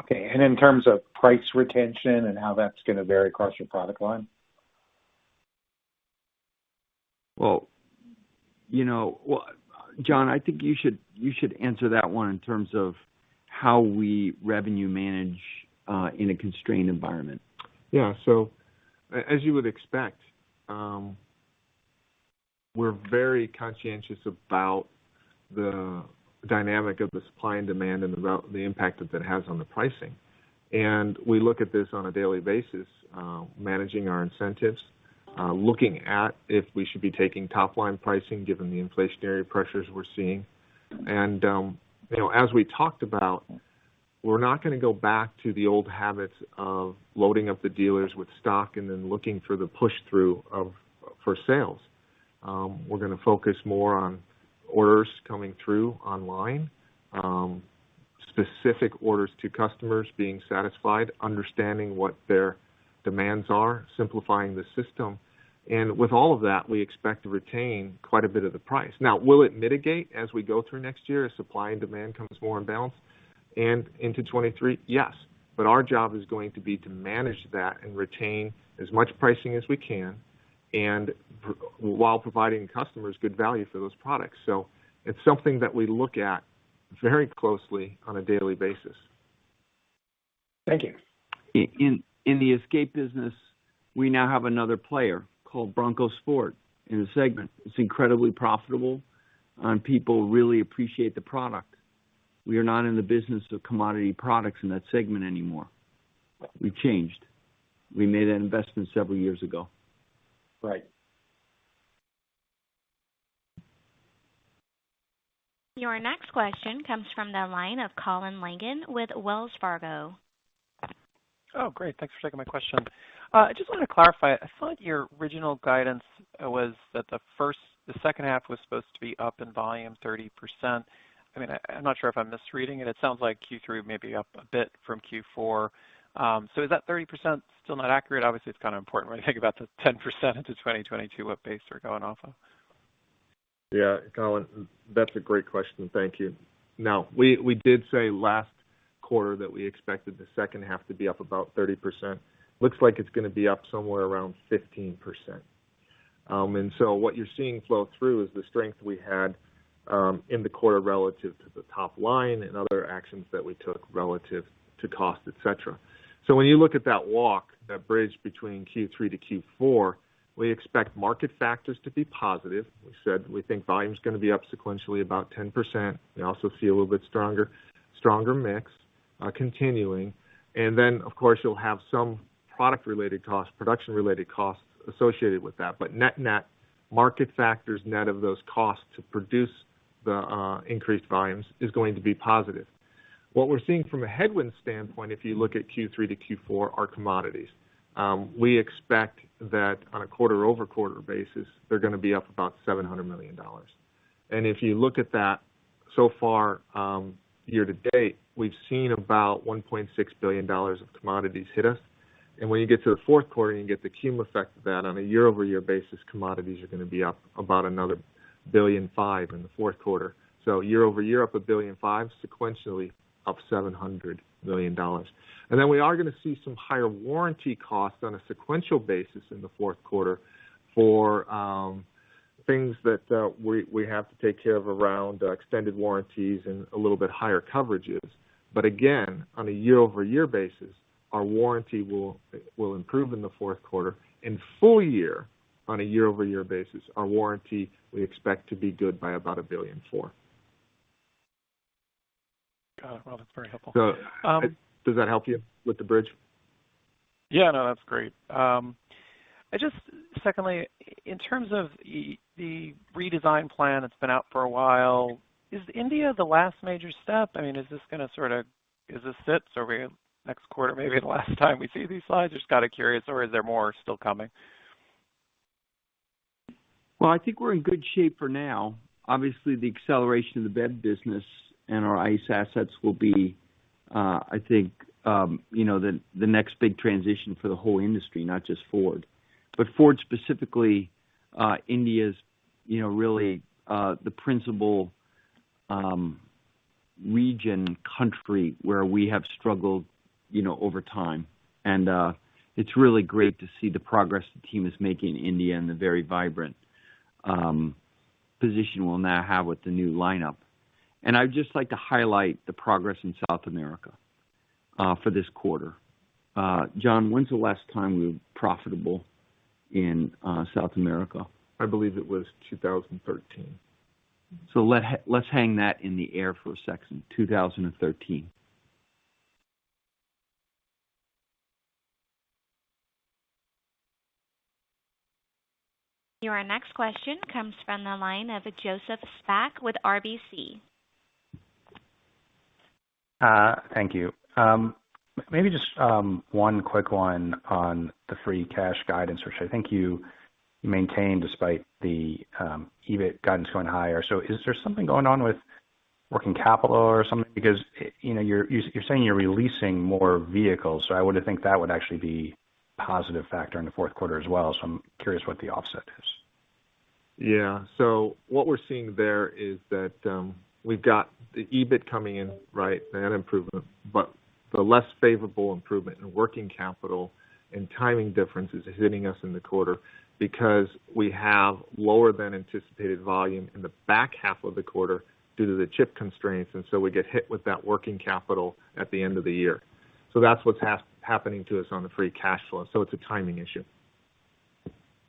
Okay. In terms of price retention and how that's gonna vary across your product line? Well, you know, well, John, I think you should answer that one in terms of how we revenue manage in a constrained environment. Yeah. As you would expect, we're very conscientious about the dynamic of the supply and demand and the impact that that has on the pricing. We look at this on a daily basis, managing our incentives, looking at if we should be taking top-line pricing given the inflationary pressures we're seeing. You know, as we talked about, we're not gonna go back to the old habits of loading up the dealers with stock and then looking for the push-through of, for sales. We're gonna focus more on orders coming through online, specific orders to customers being satisfied, understanding what their demands are, simplifying the system. With all of that, we expect to retain quite a bit of the price. Now, will it mitigate as we go through next year as supply and demand comes more in balance and into 2023? Yes. But our job is going to be to manage that and retain as much pricing as we can while providing customers good value for those products. It's something that we look at very closely on a daily basis. Thank you. In the Escape business, we now have another player called Bronco Sport in the segment. It's incredibly profitable, and people really appreciate the product. We are not in the business of commodity products in that segment anymore. We've changed. We made that investment several years ago. Right. Your next question comes from the line of Colin Langan with Wells Fargo. Oh, great. Thanks for taking my question. I just wanted to clarify. I thought your original guidance was that the second half was supposed to be up in volume 30%. I mean, I'm not sure if I'm misreading it. It sounds like Q3 may be up a bit from Q4. So is that 30% still not accurate? Obviously, it's kind of important when you think about the 10% into 2022? what base we're going off of? Yeah. Colin, that's a great question. Thank you. Now, we did say last quarter that we expected the second half to be up about 30%. Looks like it's gonna be up somewhere around 15%. What you're seeing flow through is the strength we had in the quarter relative to the top line and other actions that we took relative to cost, et cetera. When you look at that walk, that bridge between Q3 to Q4, we expect market factors to be positive. We said we think volume's gonna be up sequentially about 10%. We also see a little bit stronger mix continuing. Then, of course, you'll have some product-related costs, production-related costs associated with that. Net-net, market factors net of those costs to produce the increased volumes is going to be positive. What we're seeing from a headwind standpoint, if you look at Q3 to Q4, are commodities. We expect that on a quarter-over-quarter basis, they're gonna be up about $700 million. If you look at that so far, year to date, we've seen about $1.6 billion of commodities hit us. When you get to the fourth quarter, you get the cumulative effect of that. On a year-over-year basis, commodities are gonna be up about another $1.5 billion in the fourth quarter. Year-over-year, up $1.5 billion. Sequentially, up $700 million. We are gonna see some higher warranty costs on a sequential basis in the fourth quarter for things that we have to take care of around extended warranties and a little bit higher coverages. Again, on a year-over-year basis, our warranty will improve in the fourth quarter. In full year, on a year-over-year basis, our warranty we expect to be good by about $1.4 billion. Got it. Well, that's very helpful. Does that help you with the bridge? Yeah, no, that's great. I just, secondly, in terms of the redesign plan that's been out for a while, is India the last major step? I mean, is this gonna sorta? Is this it? Are we, next quarter, maybe the last time we see these slides? Just kind of curious. Is there more still coming? Well, I think we're in good shape for now. Obviously, the acceleration of the BEV business and our ICE assets will be, I think, you know, the next big transition for the whole industry, not just Ford. Ford specifically, India is, you know, really the principal region country where we have struggled, you know, over time. It's really great to see the progress the team is making in India and the very vibrant position we'll now have with the new lineup. I'd just like to highlight the progress in South America for this quarter. John, when's the last time we were profitable in South America? I believe it was 2013. Let's hang that in the air for a second. 2013. Your next question comes from the line of Joseph Spak with RBC. Thank you. Maybe just one quick one on the free cash guidance, which I think you maintained despite the EBIT guidance going higher. Is there something going on with working capital or something? Because, you know, you're saying you're releasing more vehicles, so I would think that would actually be a positive factor in the fourth quarter as well. I'm curious what the offset is. Yeah. What we're seeing there is that, we've got the EBIT coming in, right, that improvement. The less favorable improvement in working capital and timing differences are hitting us in the quarter because we have lower than anticipated volume in the back half of the quarter due to the chip constraints, and we get hit with that working capital at the end of the year. That's what's happening to us on the free cash flow. It's a timing issue.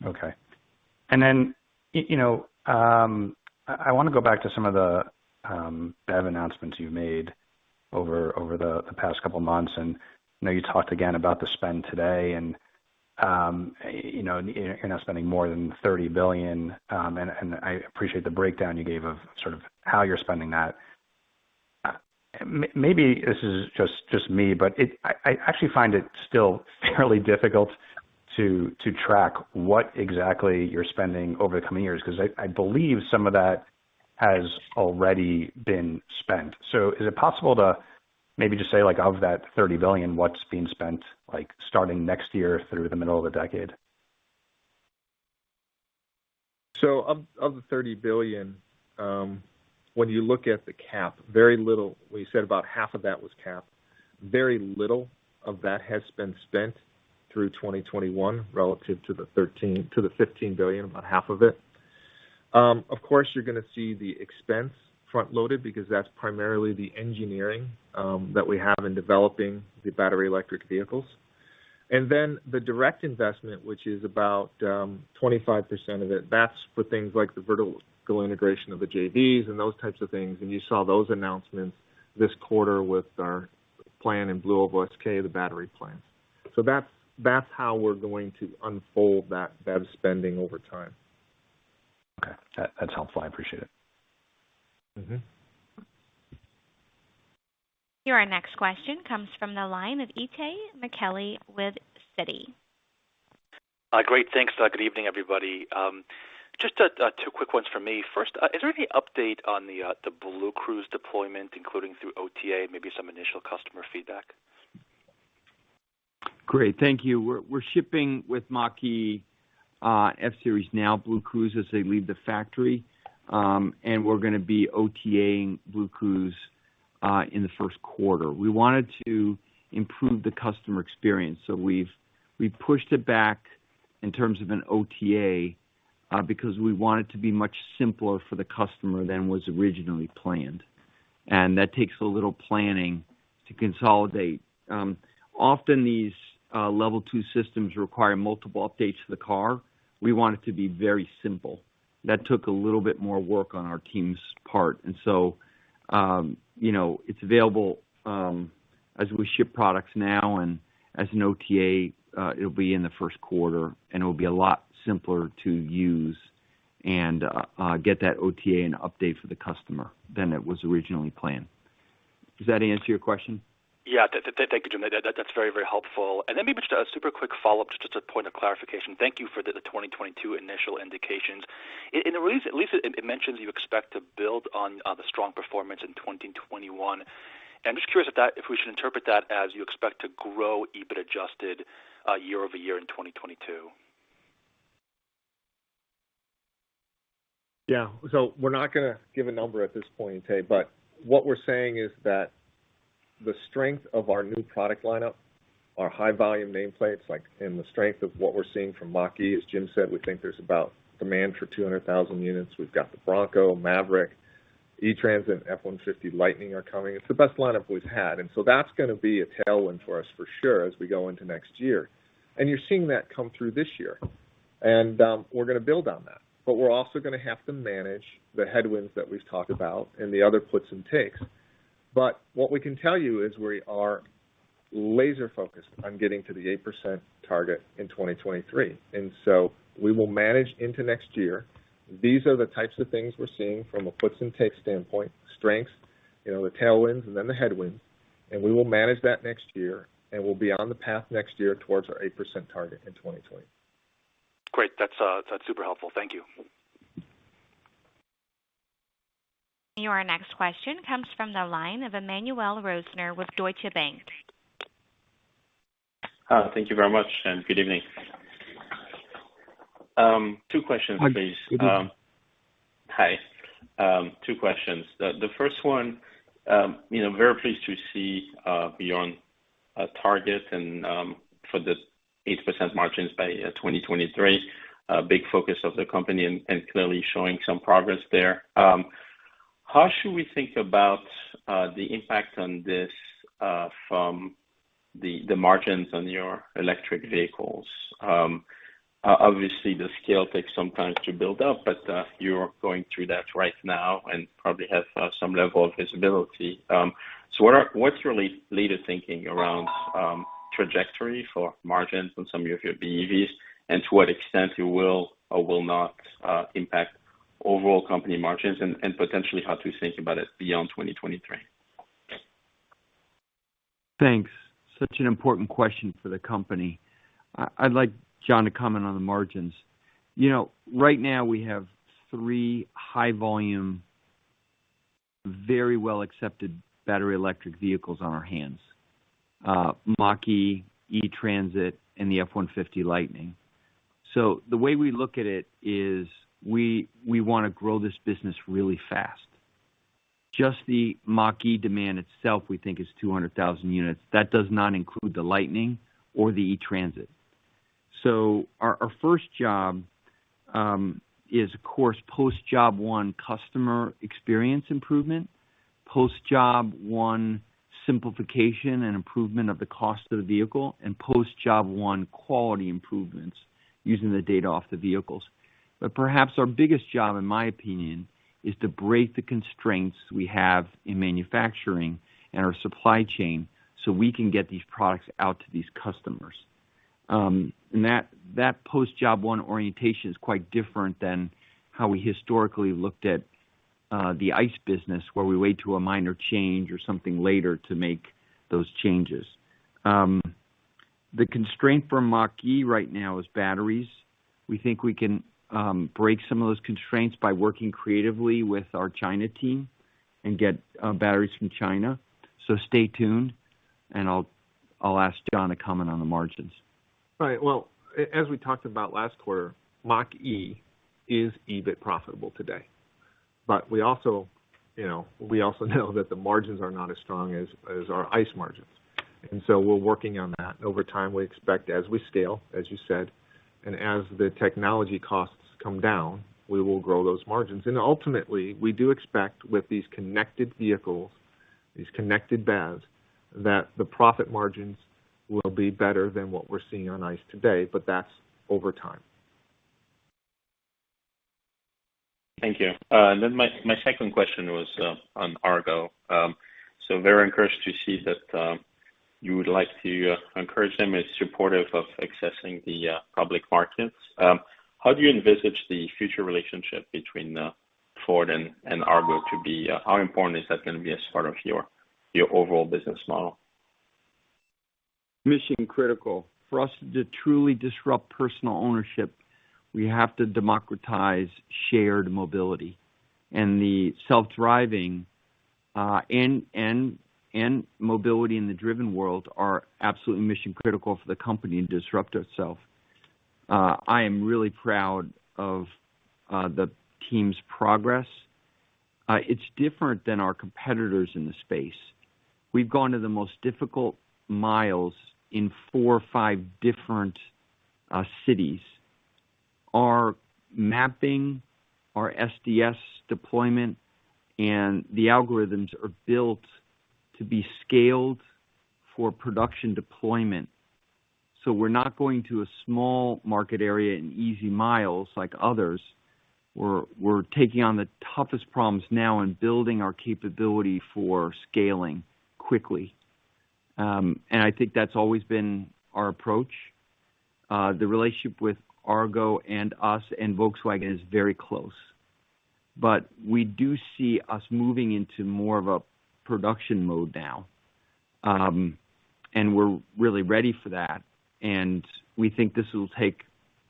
Okay. You know, I wanna go back to some of the BEV announcements you've made over the past couple months. I know you talked again about the spend today and you know, you're now spending more than $30 billion. I appreciate the breakdown you gave of sort of how you're spending that. Maybe this is just me, but I actually find it still fairly difficult to track what exactly you're spending over the coming years, 'cause I believe some of that has already been spent. Is it possible to maybe just say, like, of that $30 billion, what's being spent, like, starting next year through the middle of the decade? Of the $30 billion, when you look at the CapEx, very little. We said about half of that was CapEx. Very little of that has been spent through 2021 relative to the $15 billion, about half of it. Of course, you're gonna see the expense front-loaded because that's primarily the engineering that we have in developing the battery electric vehicles. Then the direct investment, which is about 25% of it, that's for things like the vertical integration of the JVs and those types of things. You saw those announcements this quarter with our plan in BlueOval SK, the battery plan. That's how we're going to unfold that BEV spending over time. Okay. That, that's helpful. I appreciate it. Mm-hmm. Your next question comes from the line of Itay Michaeli with Citi. Great. Thanks. Good evening, everybody. Just two quick ones for me. First, is there any update on the BlueCruise deployment, including through OTA, maybe some initial customer feedback? Great. Thank you. We're shipping with Mach-E, F-Series now, BlueCruise, as they leave the factory. We're gonna be OTA BlueCruise in the first quarter. We wanted to improve the customer experience, so we've pushed it back in terms of an OTA, because we want it to be much simpler for the customer than was originally planned. That takes a little planning to consolidate. Often these level two systems require multiple updates to the car. We want it to be very simple. That took a little bit more work on our team's part, you know, it's available as we ship products now and as an OTA, it'll be in the first quarter, and it'll be a lot simpler to use and get that OTA and update for the customer than it was originally planned. Does that answer your question? Yeah. Thank you, Jim. That's very, very helpful. Maybe just a super quick follow-up, just a point of clarification. Thank you for the 2022 initial indications. In a recent release, it mentions you expect to build on the strong performance in 2021. I'm just curious if we should interpret that as you expect to grow EBIT adjusted year-over-year in 2022. Yeah. We're not gonna give a number at this point in time. What we're saying is that the strength of our new product lineup, our high volume nameplates, like, and the strength of what we're seeing from Mach-E, as Jim said, we think there's about demand for 200,000 units. We've got the Bronco, Maverick, E-Transit, F-150 Lightning are coming. It's the best lineup we've had. That's gonna be a tailwind for us for sure, as we go into next year. You're seeing that come through this year. We're gonna build on that, but we're also gonna have to manage the headwinds that we've talked about and the other puts and takes. What we can tell you is we are laser focused on getting to the 8% target in 2023, and so we will manage into next year. These are the types of things we're seeing from a puts and takes standpoint, strengths, you know, the tailwinds and then the headwinds, and we will manage that next year, and we'll be on the path next year towards our 8% target in 2020. Great. That's super helpful. Thank you. Your next question comes from the line of Emmanuel Rosner with Deutsche Bank. Thank you very much, and good evening. Two questions, please. Hi, good evening. Hi. Two questions. The first one, you know, very pleased to see beyond target and for the 8% margins by 2023, a big focus of the company and clearly showing some progress there. How should we think about the impact on this from the margins on your electric vehicles? Obviously, the scale takes some time to build up, but you're going through that right now and probably have some level of visibility. So what's your later thinking around trajectory for margins on some of your BEVs and to what extent you will or will not impact overall company margins and potentially how to think about it beyond 2023? Thanks. Such an important question for the company. I'd like John to comment on the margins. You know, right now we have three high volume, very well accepted battery electric vehicles on our hands, Mach-E, E-Transit, and the F-150 Lightning. So the way we look at it is we wanna grow this business really fast. Just the Mach-E demand itself, we think is 200,000 units. That does not include the Lightning or the E-Transit. So our first job is of course, post-job one customer experience improvement, post-job one simplification and improvement of the cost of the vehicle and post-job one quality improvements using the data off the vehicles. But perhaps our biggest job, in my opinion, is to break the constraints we have in manufacturing and our supply chain so we can get these products out to these customers. That post-job one orientation is quite different than how we historically looked at the ICE business, where we wait for a minor change or something later to make those changes. The constraint for Mach-E right now is batteries. We think we can break some of those constraints by working creatively with our China team and get batteries from China. Stay tuned and I'll ask John to comment on the margins. Right. Well, as we talked about last quarter, Mach-E is EBIT profitable today. But we also, you know, we also know that the margins are not as strong as our ICE margins, and so we're working on that. Over time, we expect as we scale, as you said, and as the technology costs come down, we will grow those margins. Ultimately, we do expect with these connected vehicles, these connected BEVs, that the profit margins will be better than what we're seeing on ICE today, but that's over time. Thank you. My second question was on Argo. Very encouraged to see that you would like to encourage them as supportive of accessing the public markets. How do you envisage the future relationship between Ford and Argo to be? How important is that gonna be as part of your overall business model? Mission critical. For us to truly disrupt personal ownership, we have to democratize shared mobility. The self-driving and mobility in the driven world are absolutely mission critical for the company to disrupt itself. I am really proud of the team's progress. It's different than our competitors in the space. We've gone to the most difficult miles in four or five different cities. Our mapping, our SDS deployment, and the algorithms are built to be scaled for production deployment. We're not going to a small market area in easy miles like others. We're taking on the toughest problems now and building our capability for scaling quickly. I think that's always been our approach. The relationship with Argo and us and Volkswagen is very close. We do see us moving into more of a production mode now. We're really ready for that. We think this will take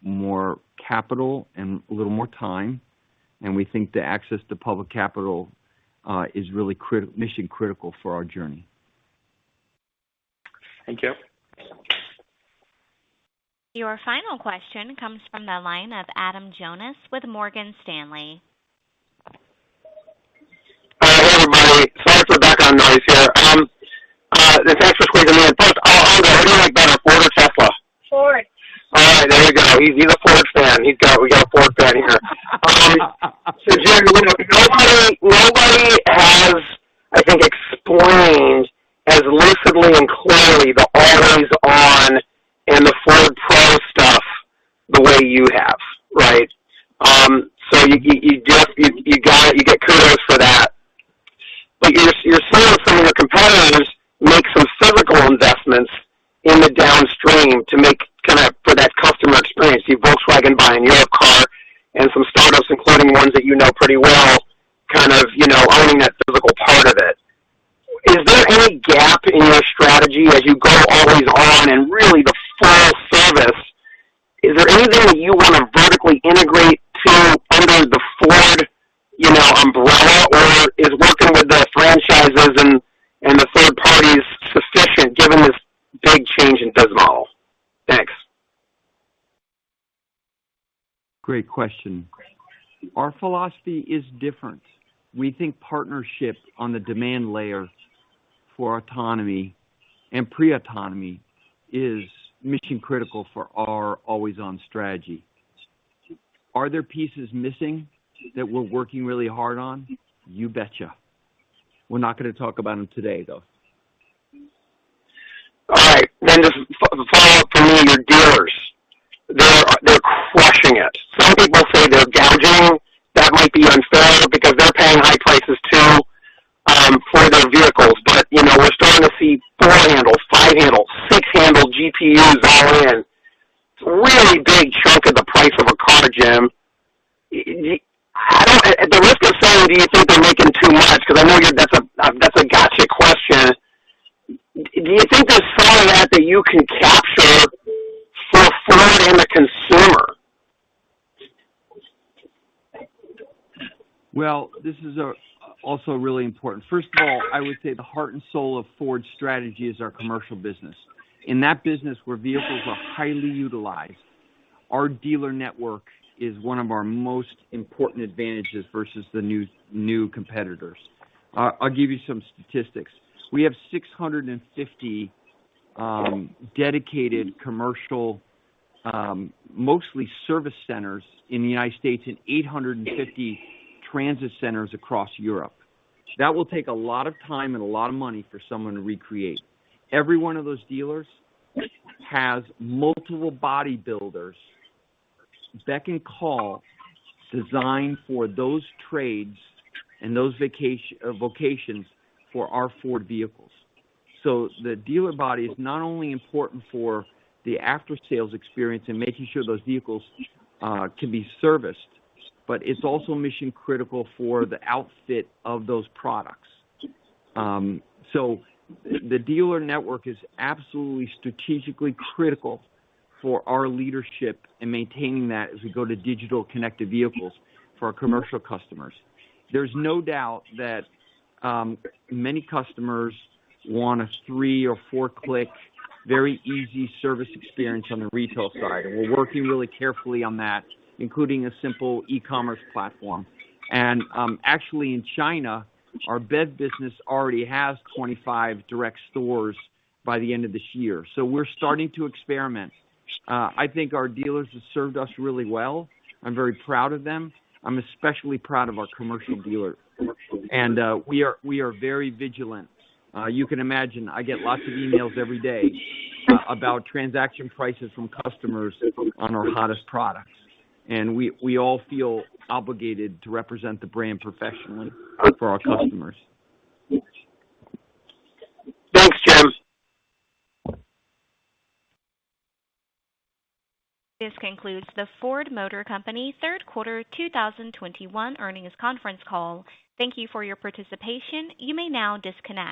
more capital and a little more time, and we think the access to public capital is really mission critical for our journey. Thank you. Your final question comes from the line of Adam Jonas with Morgan Stanley. Hi, everybody. Sorry for the background noise here. Thanks for squeezing me in. First, I'll go. Who do you like better, Ford or Tesla? Ford. All right, there you go. He's a Ford fan. We got a Ford fan here. Jim, nobody has, I think, explained as lucidly and clearly the Always On and the Ford Pro stuff the way you have, right? You got it. You get kudos for that. You're seeing some of your competitors make some physical investments in the downstream to make kind a for that customer experience. You have Volkswagen buying Argo and some startups, including ones that you know pretty well, kind of, you know, owning that physical part of it. Is there any gap in your strategy as you go Always On and really the Ford service? Is there anything that you wanna vertically integrate under the Ford, you know, umbrella or is working with the franchises and the third parties sufficient given this big change in business model? Thanks. Great question. Our philosophy is different. We think partnerships on the demand layer for autonomy and pre-autonomy is mission critical for our Always On strategy. Are there pieces missing that we're working really hard on. You betcha. We're not gonna talk about them today, though. All right. Just follow up for me on your dealers. They're crushing it. Some people say they're gouging. That might be unfair because they're paying high prices too, for those vehicles. You know, we're starting to see four handles, five handles, six handle GPUs all in. It's a really big chunk of the price of a car, Jim. I don't at the risk of saying, do you think they're making too much 'cause I know that's a gotcha question. Do you think there's something in that that you can capture for Ford and the consumer? Well, this is also really important. First of all, I would say the heart and soul of Ford's strategy is our commercial business. In that business where vehicles are highly utilized, our dealer network is one of our most important advantages versus the new competitors. I'll give you some statistics. We have 650 dedicated commercial, mostly service centers in the United States and 850 transit centers across Europe. That will take a lot of time and a lot of money for someone to recreate. Every one of those dealers has multiple body builders that can custom design for those trades and those vocations for our Ford vehicles. The dealer body is not only important for the after-sales experience and making sure those vehicles can be serviced, but it's also mission critical for the outfit of those products. The dealer network is absolutely strategically critical for our leadership in maintaining that as we go to digital connected vehicles for our commercial customers. There's no doubt that many customers want a three or four-click, very easy service experience on the retail side, and we're working really carefully on that, including a simple e-commerce platform. Actually, in China, our bed business already has 25 direct stores by the end of this year. We're starting to experiment. I think our dealers have served us really well. I'm very proud of them. I'm especially proud of our commercial dealers. We are very vigilant. You can imagine, I get lots of emails every day about transaction prices from customers on our hottest products. We all feel obligated to represent the brand professionally for our customers. Thanks, Jim. This concludes the Ford Motor Company third quarter 2021 earnings conference call. Thank you for your participation. You may now disconnect.